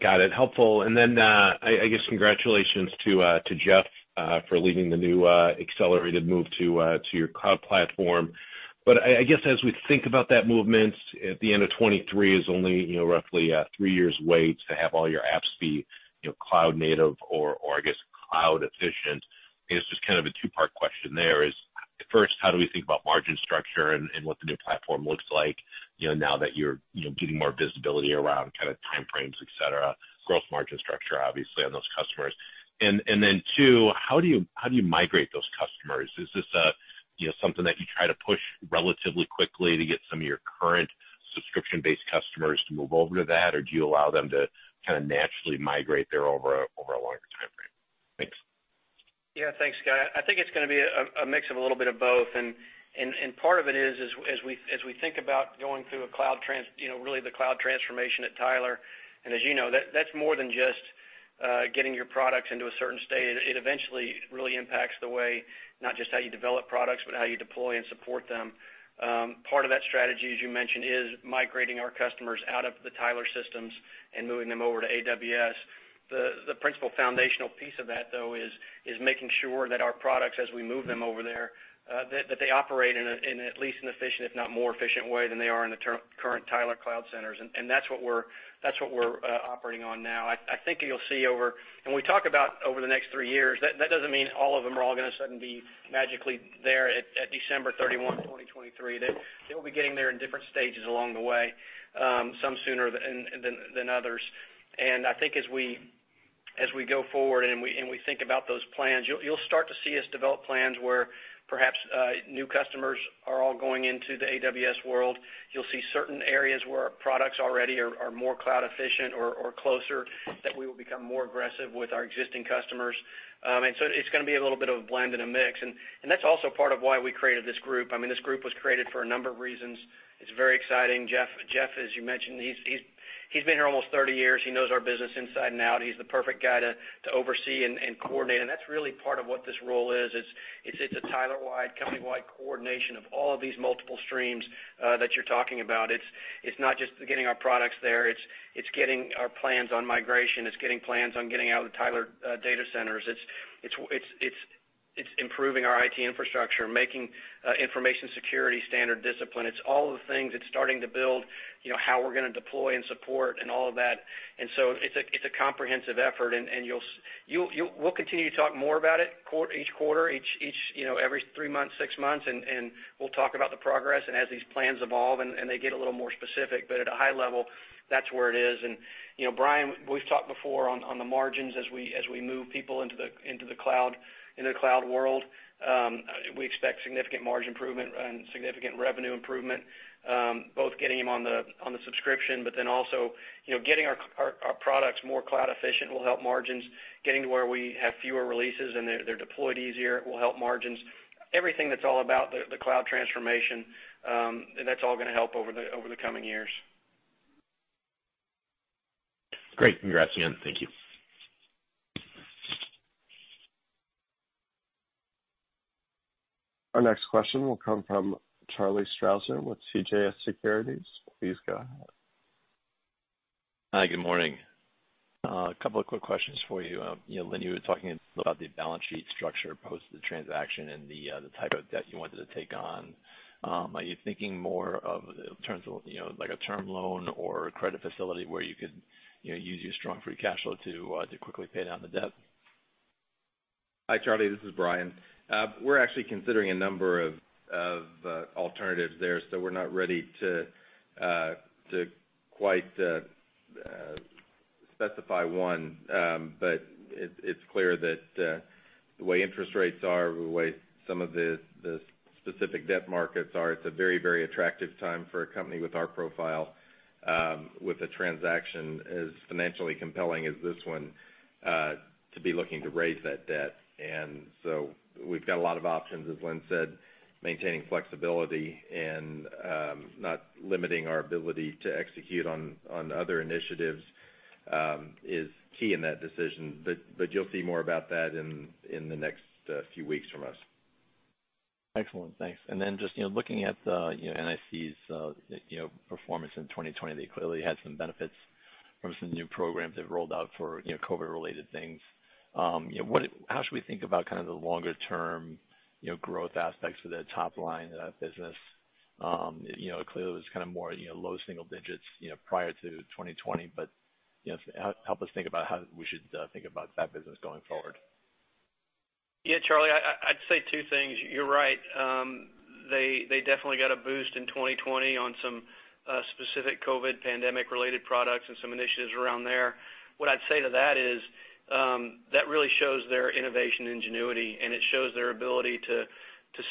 Got it. Helpful. Then, I guess, congratulations to Jeff for leading the new accelerated move to your cloud platform. I guess as we think about that movement at the end of 2023 is only roughly a three years wait to have all your apps be cloud native or, I guess, cloud efficient. It's just kind of a two-part question there is, first, how do we think about margin structure and what the new platform looks like now that you're getting more visibility around timeframes, et cetera, gross margin structure, obviously on those customers. Then two, how do you migrate those customers? Is this something that you try to push relatively quickly to get some of your current subscription-based customers to move over to that? Do you allow them to kind of naturally migrate there over a longer timeframe? Thanks.
Yeah. Thanks, Scott. I think it's going to be a mix of a little bit of both, and part of it is as we think about going through really the cloud transformation at Tyler, and as you know, that's more than just getting your products into a certain state. It eventually really impacts the way, not just how you develop products, but how you deploy and support them. Part of that strategy, as you mentioned, is migrating our customers out of the Tyler systems and moving them over to AWS. The principal foundational piece of that, though, is making sure that our products, as we move them over there, that they operate in at least an efficient, if not more efficient way than they are in the current Tyler cloud centers. That's what we're operating on now. I think you'll see over, when we talk about over the next three years, that doesn't mean all of them are all going to suddenly be magically there at December 31, 2023. They'll be getting there in different stages along the way, some sooner than others. I think as we go forward and we think about those plans, you'll start to see us develop plans where perhaps new customers are all going into the AWS world. You'll see certain areas where our products already are more cloud efficient or closer, that we will become more aggressive with our existing customers. It's going to be a little bit of a blend and a mix, and that's also part of why we created this group. This group was created for a number of reasons. It's very exciting. Jeff, as you mentioned, he's been here almost 30 years. He knows our business inside and out. He's the perfect guy to oversee and coordinate, and that's really part of what this role is. It's a Tyler-wide, company-wide coordination of all of these multiple streams that you're talking about. It's not just getting our products there. It's getting our plans on migration. It's getting plans on getting out of the Tyler data centers. It's improving our IT infrastructure, making information security standard discipline. It's all of the things. It's starting to build how we're going to deploy and support and all of that. It's a comprehensive effort, and we'll continue to talk more about it each quarter, every three months, six months, and we'll talk about the progress and as these plans evolve and they get a little more specific, but at a high level, that's where it is. Brian, we've talked before on the margins as we move people into the cloud world. We expect significant margin improvement and significant revenue improvement, both getting them on the subscription, also getting our products more cloud efficient will help margins. Getting to where we have fewer releases and they're deployed easier will help margins. Everything that's all about the cloud transformation, that's all going to help over the coming years.
Great. Congrats again. Thank you.
Our next question will come from Charlie Strauzer with CJS Securities. Please go ahead.
Hi, good morning. A couple of quick questions for you. Lynn, you were talking about the balance sheet structure post the transaction and the type of debt you wanted to take on. Are you thinking more of like a term loan or a credit facility where you could use your strong free cash flow to quickly pay down the debt?
Hi, Charlie. This is Brian. We're actually considering a number of alternatives there, so we're not ready to quite specify one. It's clear that the way interest rates are, the way some of the specific debt markets are, it's a very attractive time for a company with our profile, with a transaction as financially compelling as this one, to be looking to raise that debt. We've got a lot of options, as Lynn said, maintaining flexibility and not limiting our ability to execute on other initiatives is key in that decision. You'll see more about that in the next few weeks from us.
Excellent. Thanks. Then just looking at NIC's performance in 2020, they clearly had some benefits from some new programs they've rolled out for COVID-related things. How should we think about kind of the longer-term growth aspects of the top line of that business? Clearly, it was kind of more low single digits prior to 2020, but help us think about how we should think about that business going forward.
Yeah, Charlie, I'd say two things. You're right. They definitely got a boost in 2020 on some specific COVID-19 pandemic related products and some initiatives around there. What I'd say to that is, that really shows their innovation ingenuity, and it shows their ability to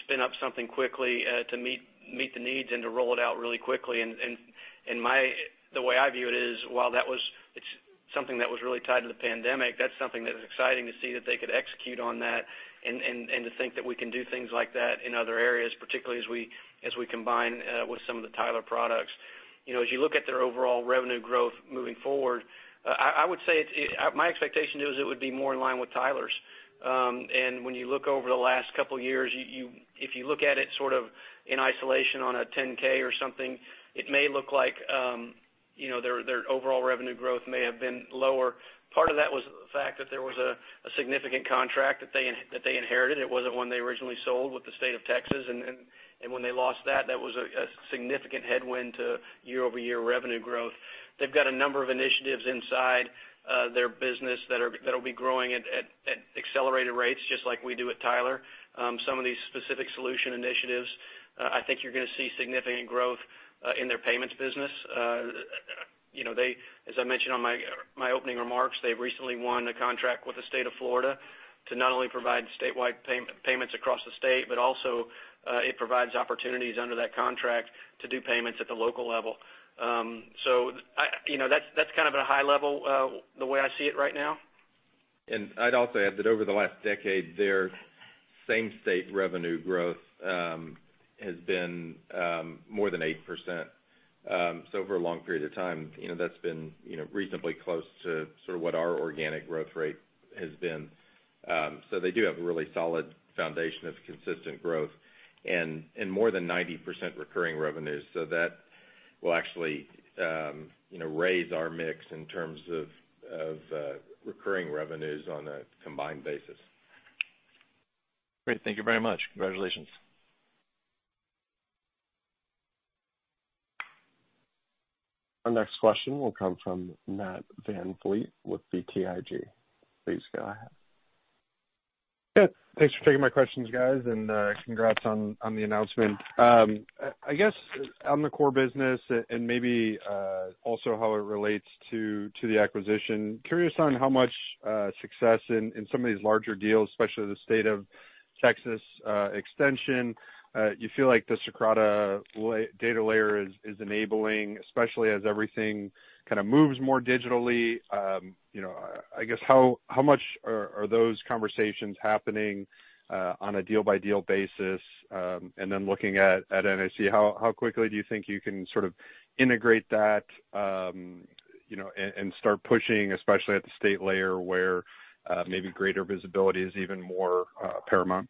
spin up something quickly to meet the needs and to roll it out really quickly. The way I view it is, while it's something that was really tied to the pandemic, that's something that is exciting to see that they could execute on that and to think that we can do things like that in other areas, particularly as we combine with some of the Tyler products. You look at their overall revenue growth moving forward, I would say my expectation is it would be more in line with Tyler's. When you look over the last couple of years, if you look at it sort of in isolation on a 10-K or something, it may look like their overall revenue growth may have been lower. Part of that was the fact that there was a significant contract that they inherited. It wasn't one they originally sold with the State of Texas. When they lost that was a significant headwind to year-over-year revenue growth. They've got a number of initiatives inside their business that'll be growing at accelerated rates, just like we do at Tyler. Some of these specific solution initiatives, I think you're going to see significant growth in their payments business. As I mentioned on my opening remarks, they've recently won a contract with the State of Florida to not only provide statewide payments across the state, but also it provides opportunities under that contract to do payments at the local level. That's kind of at a high level the way I see it right now.
I'd also add that over the last decade, their same state revenue growth has been more than 8%. Over a long period of time, that's been reasonably close to sort of what our organic growth rate has been. They do have a really solid foundation of consistent growth and more than 90% recurring revenues. That will actually raise our mix in terms of recurring revenues on a combined basis.
Great. Thank you very much. Congratulations.
Our next question will come from Matt VanVliet with BTIG. Please go ahead.
Good. Thanks for taking my questions, guys, and congrats on the announcement. I guess on the core business and maybe also how it relates to the acquisition, curious on how much success in some of these larger deals, especially the State of Texas extension, you feel like the Socrata data layer is enabling, especially as everything kind of moves more digitally. I guess, how much are those conversations happening on a deal by deal basis? Looking at NIC, how quickly do you think you can sort of integrate that and start pushing, especially at the state layer where maybe greater visibility is even more paramount?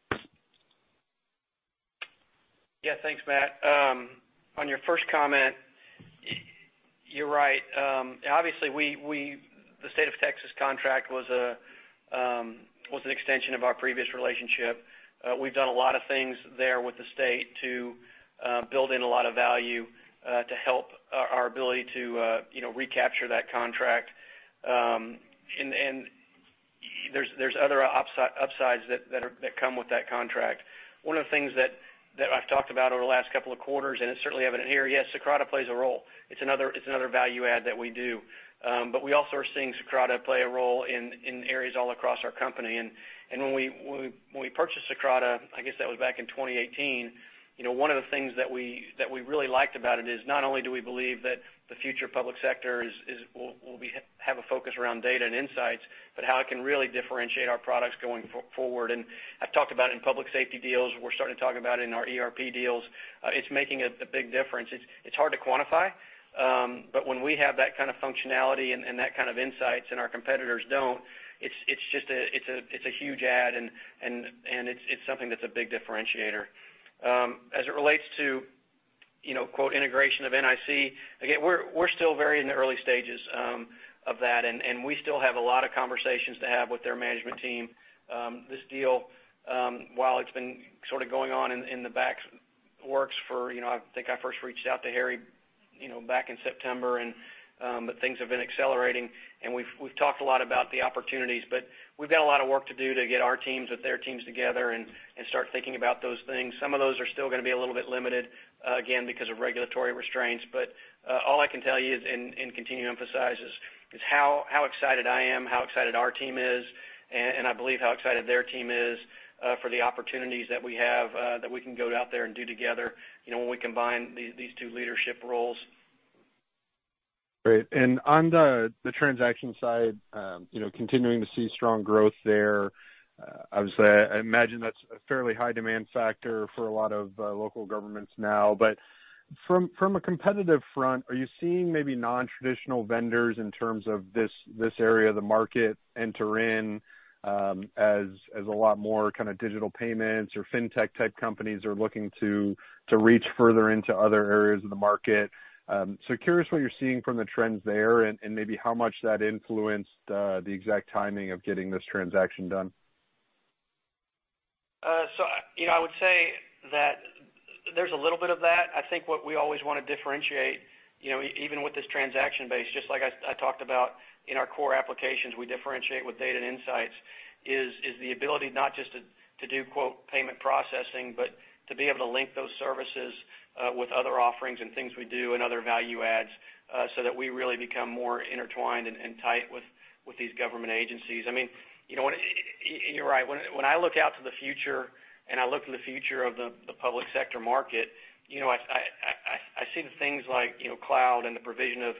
Thanks, Matt. On your first comment, you're right. Obviously, the State of Texas contract was an extension of our previous relationship. We've done a lot of things there with the State to build in a lot of value to help our ability to recapture that contract. There's other upsides that come with that contract. One of the things that I've talked about over the last couple of quarters, and it's certainly evident here, yes, Socrata plays a role. It's another value add that we do. We also are seeing Socrata play a role in areas all across our company. When we purchased Socrata, I guess that was back in 2018, one of the things that we really liked about it is not only do we believe that the future public sector will have a focus around data and insights, but how it can really differentiate our products going forward. I've talked about in public safety deals, we're starting to talk about it in our ERP deals. It's making a big difference. It's hard to quantify, but when we have that kind of functionality and that kind of insights and our competitors don't, it's a huge add and it's something that's a big differentiator. As it relates to quote integration of NIC, again, we're still very in the early stages of that, and we still have a lot of conversations to have with their management team. This deal, while it's been sort of going on in the back works for I think I first reached out to Harry back in September. Things have been accelerating, and we've talked a lot about the opportunities. We've got a lot of work to do to get our teams with their teams together and start thinking about those things. Some of those are still going to be a little bit limited, again, because of regulatory restraints. All I can tell you and continue to emphasize is how excited I am, how excited our team is, and I believe how excited their team is for the opportunities that we have that we can go out there and do together when we combine these two leadership roles.
Great. On the transaction side, continuing to see strong growth there. Obviously, I imagine that's a fairly high demand factor for a lot of local governments now. From a competitive front, are you seeing maybe non-traditional vendors in terms of this area of the market enter in as a lot more kind of digital payments or fintech type companies are looking to reach further into other areas of the market? Curious what you're seeing from the trends there and maybe how much that influenced the exact timing of getting this transaction done.
I would say that there's a little bit of that. I think what we always want to differentiate, even with this transaction base, just like I talked about in our core applications, we differentiate with data and insights, is the ability not just to do quote payment processing, but to be able to link those services with other offerings and things we do and other value adds, so that we really become more intertwined and tight with these government agencies. You're right. When I look out to the future and I look to the future of the public sector market, I see the things like cloud and the provision of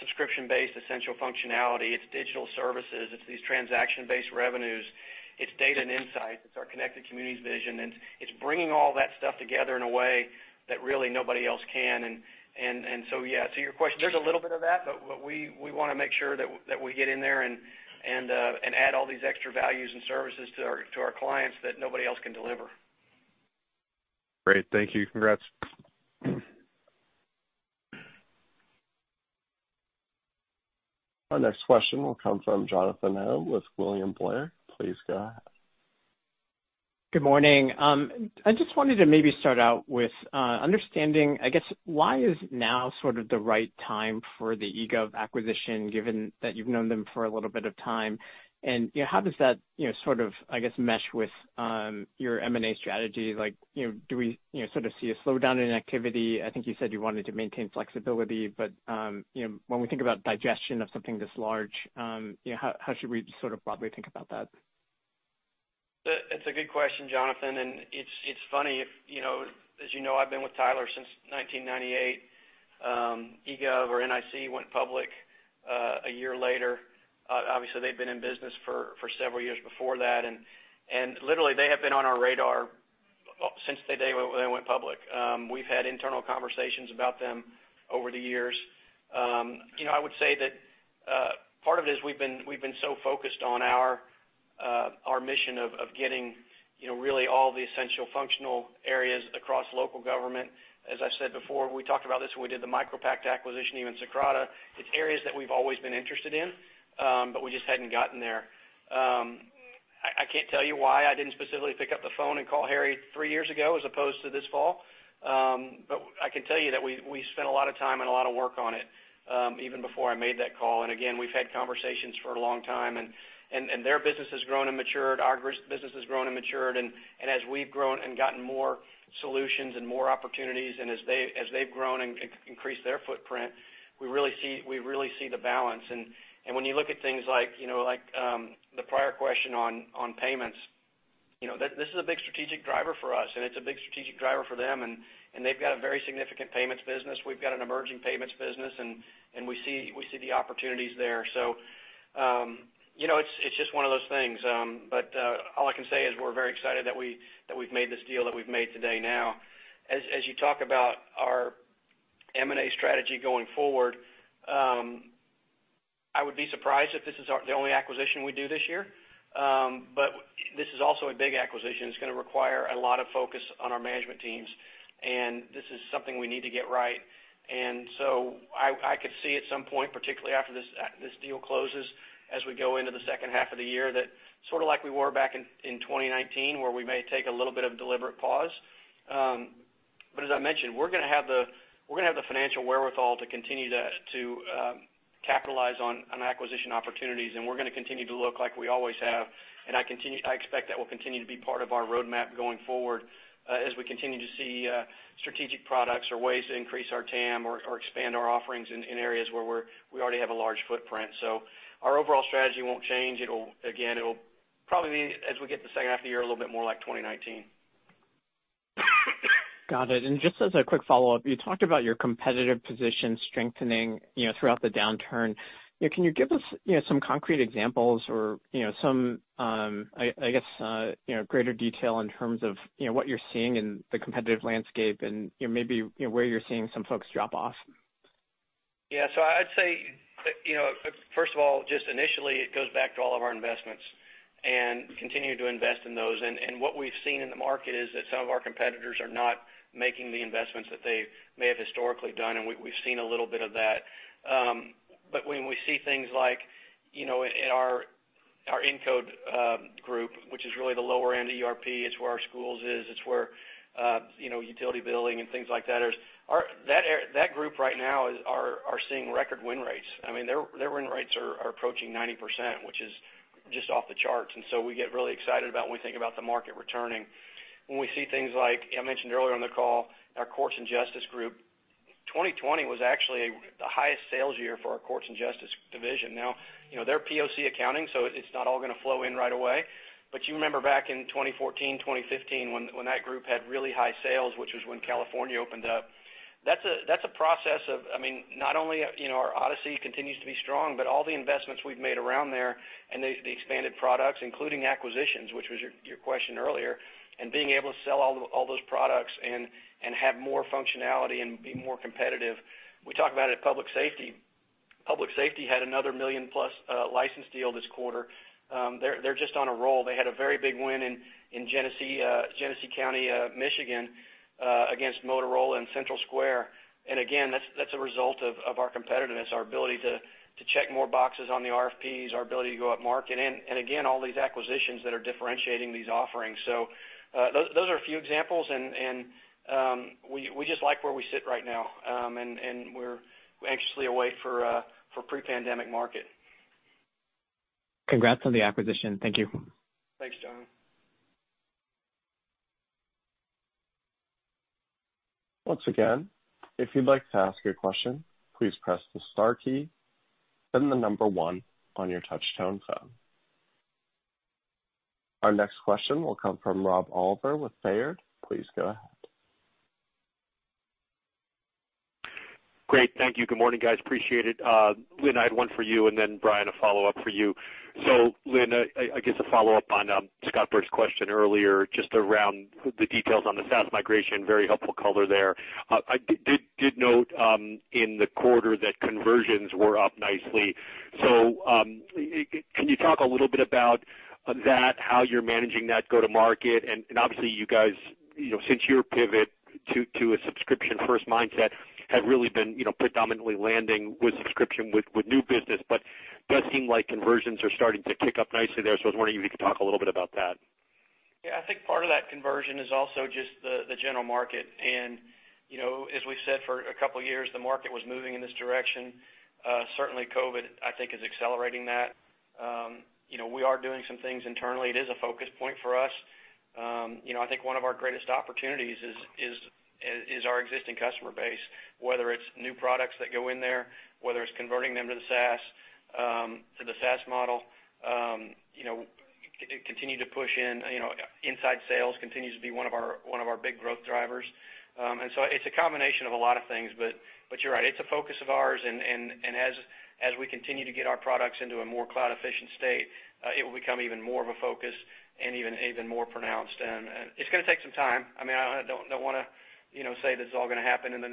subscription-based essential functionality. It's digital services, it's these transaction-based revenues, it's data and insights, it's our Connected Communities Vision. It's bringing all that stuff together in a way that really nobody else can. Yeah, to your question, there's a little bit of that, but what we want to make sure that we get in there and add all these extra values and services to our clients that nobody else can deliver.
Great. Thank you. Congrats.
Our next question will come from Jonathan Ho with William Blair. Please go ahead.
Good morning. I just wanted to maybe start out with understanding, I guess why is now sort of the right time for the EGOV acquisition, given that you've known them for a little bit of time, and how does that, sort of, I guess, mesh with your M&A strategy? Do we sort of see a slowdown in activity? I think you said you wanted to maintain flexibility, but when we think about digestion of something this large, how should we sort of broadly think about that?
That's a good question, Jonathan. It's funny, as you know, I've been with Tyler since 1998. EGOV or NIC went public a year later. Obviously, they'd been in business for several years before that, and literally they have been on our radar since the day they went public. We've had internal conversations about them over the years. I would say that part of it is we've been so focused on our mission of getting really all the essential functional areas across local government. As I said before, we talked about this when we did the MicroPact acquisition, even Socrata. It's areas that we've always been interested in, but we just hadn't gotten there. I can't tell you why I didn't specifically pick up the phone and call Harry three years ago as opposed to this fall. I can tell you that we spent a lot of time and a lot of work on it, even before I made that call. Again, we've had conversations for a long time, and their business has grown and matured. Our business has grown and matured. As we've grown and gotten more solutions and more opportunities, and as they've grown and increased their footprint, we really see the balance. When you look at things like the prior question on payments, this is a big strategic driver for us, and it's a big strategic driver for them, and they've got a very significant payments business. We've got an emerging payments business, and we see the opportunities there. It's just one of those things. All I can say is we're very excited that we've made this deal that we've made today now. As you talk about our M&A strategy going forward, I would be surprised if this is the only acquisition we do this year. This is also a big acquisition. It's going to require a lot of focus on our management teams, and this is something we need to get right. I could see at some point, particularly after this deal closes, as we go into the second half of the year, that sort of like we were back in 2019, where we may take a little bit of deliberate pause. As I mentioned, we're going to have the financial wherewithal to continue to capitalize on acquisition opportunities, and we're going to continue to look like we always have. I expect that will continue to be part of our roadmap going forward as we continue to see strategic products or ways to increase our TAM or expand our offerings in areas where we already have a large footprint. Our overall strategy won't change. Again, it'll probably be, as we get to the second half of the year, a little bit more like 2019.
Got it. Just as a quick follow-up, you talked about your competitive position strengthening throughout the downturn. Can you give us some concrete examples or some, I guess, greater detail in terms of what you're seeing in the competitive landscape and maybe where you're seeing some folks drop off?
Yeah. I'd say, first of all, just initially, it goes back to all of our investments and continuing to invest in those. What we've seen in the market is that some of our competitors are not making the investments that they may have historically done, and we've seen a little bit of that. When we see things like in our Incode Group, which is really the lower-end ERP, it's where our schools is, it's where utility billing and things like that is. That group right now are seeing record win rates. I mean, their win rates are approaching 90%, which is just off the charts. We get really excited about when we think about the market returning. When we see things like I mentioned earlier on the call, our Courts & Justice Group, 2020 was actually the highest sales year for our Courts & Justice Division. They're POC accounting, so it's not all going to flow in right away. You remember back in 2014, 2015, when that group had really high sales, which was when California opened up. That's a process of, I mean, not only our Odyssey continues to be strong, but all the investments we've made around there and the expanded products, including acquisitions, which was your question earlier, and being able to sell all those products and have more functionality and be more competitive. We talk about it at Public Safety. Public Safety had another million-plus license deal this quarter. They're just on a roll. They had a very big win in Genesee County, Michigan, against Motorola and CentralSquare. Again, that's a result of our competitiveness, our ability to check more boxes on the RFPs, our ability to go upmarket, and again, all these acquisitions that are differentiating these offerings. Those are a few examples, and we just like where we sit right now. We're anxiously waiting for pre-pandemic market.
Congrats on the acquisition. Thank you.
Thanks, Jonathan.
Our next question will come from Rob Oliver with Baird. Please go ahead.
Great. Thank you. Good morning, guys. Appreciate it. Lynn, I had one for you, and then Brian, a follow-up for you. Lynn, I guess a follow-up on Scott Berg's question earlier, just around the details on the SaaS migration. Very helpful color there. I did note in the quarter that conversions were up nicely. Can you talk a little bit about that, how you're managing that go to market? Obviously you guys, since your pivot to a subscription first mindset, have really been predominantly landing with subscription with new business, but it does seem like conversions are starting to tick up nicely there. I was wondering if you could talk a little bit about that.
I think part of that conversion is also just the general market. As we've said for a couple of years, the market was moving in this direction. Certainly COVID, I think, is accelerating that. We are doing some things internally. It is a focus point for us. I think one of our greatest opportunities is our existing customer base, whether it's new products that go in there, whether it's converting them to the SaaS model. Continue to push in. Inside sales continues to be one of our big growth drivers. It's a combination of a lot of things, but you're right, it's a focus of ours, and as we continue to get our products into a more cloud-efficient state, it will become even more of a focus and even more pronounced. It's going to take some time. I don't want to say that it's all going to happen in the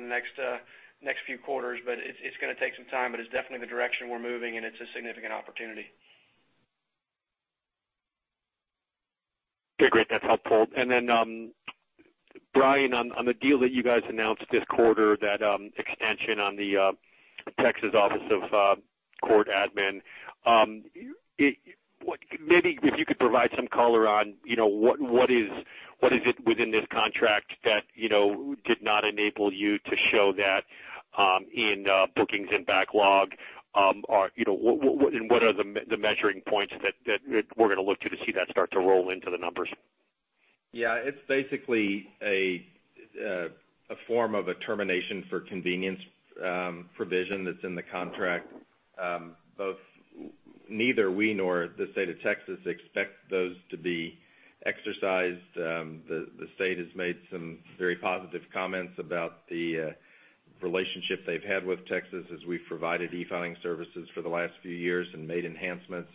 next few quarters, but it's going to take some time. It's definitely the direction we're moving, and it's a significant opportunity.
Okay, great. That's helpful. Then, Brian, on the deal that you guys announced this quarter, that extension on the Texas Office of Court Admin. Maybe if you could provide some color on what is it within this contract that did not enable you to show that in bookings and backlog? What are the measuring points that we're going to look to see that start to roll into the numbers?
Yeah, it's basically a form of a termination for convenience provision that's in the contract. Neither we nor the State of Texas expect those to be exercised. The state has made some very positive comments about the relationship they've had with Texas as we've provided e-filing services for the last few years and made enhancements.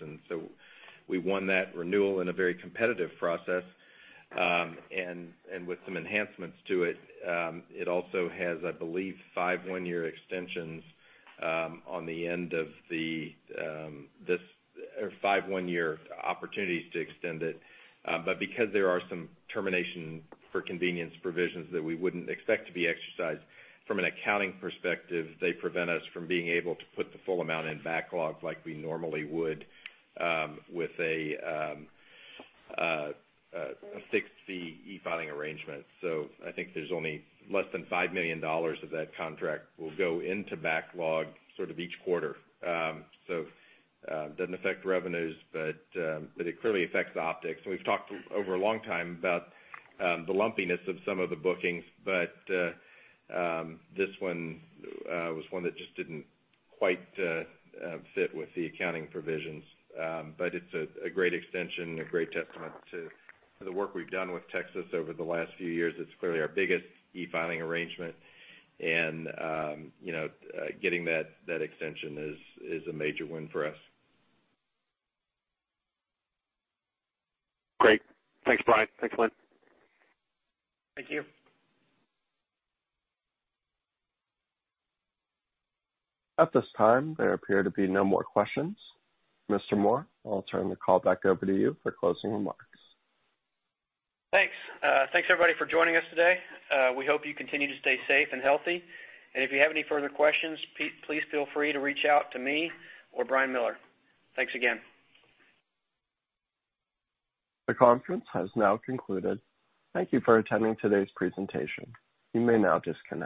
We won that renewal in a very competitive process, and with some enhancements to it. It also has, I believe, five one-year opportunities to extend it. Because there are some termination for convenience provisions that we wouldn't expect to be exercised from an accounting perspective, they prevent us from being able to put the full amount in backlog like we normally would with a fixed fee e-filing arrangement. I think there's only less than $5 million of that contract will go into backlog sort of each quarter. Doesn't affect revenues, but it clearly affects the optics. We've talked over a long time about the lumpiness of some of the bookings, but this one was one that just didn't quite fit with the accounting provisions. It's a great extension, a great testament to the work we've done with Texas over the last few years. It's clearly our biggest e-filing arrangement, and getting that extension is a major win for us.
Great. Thanks, Brian. Thanks, Lynn.
Thank you.
At this time, there appear to be no more questions. Mr. Moore, I'll turn the call back over to you for closing remarks.
Thanks everybody for joining us today. We hope you continue to stay safe and healthy. If you have any further questions, please feel free to reach out to me or Brian Miller. Thanks again.
The conference has now concluded. Thank you for attending today's presentation. You may now disconnect.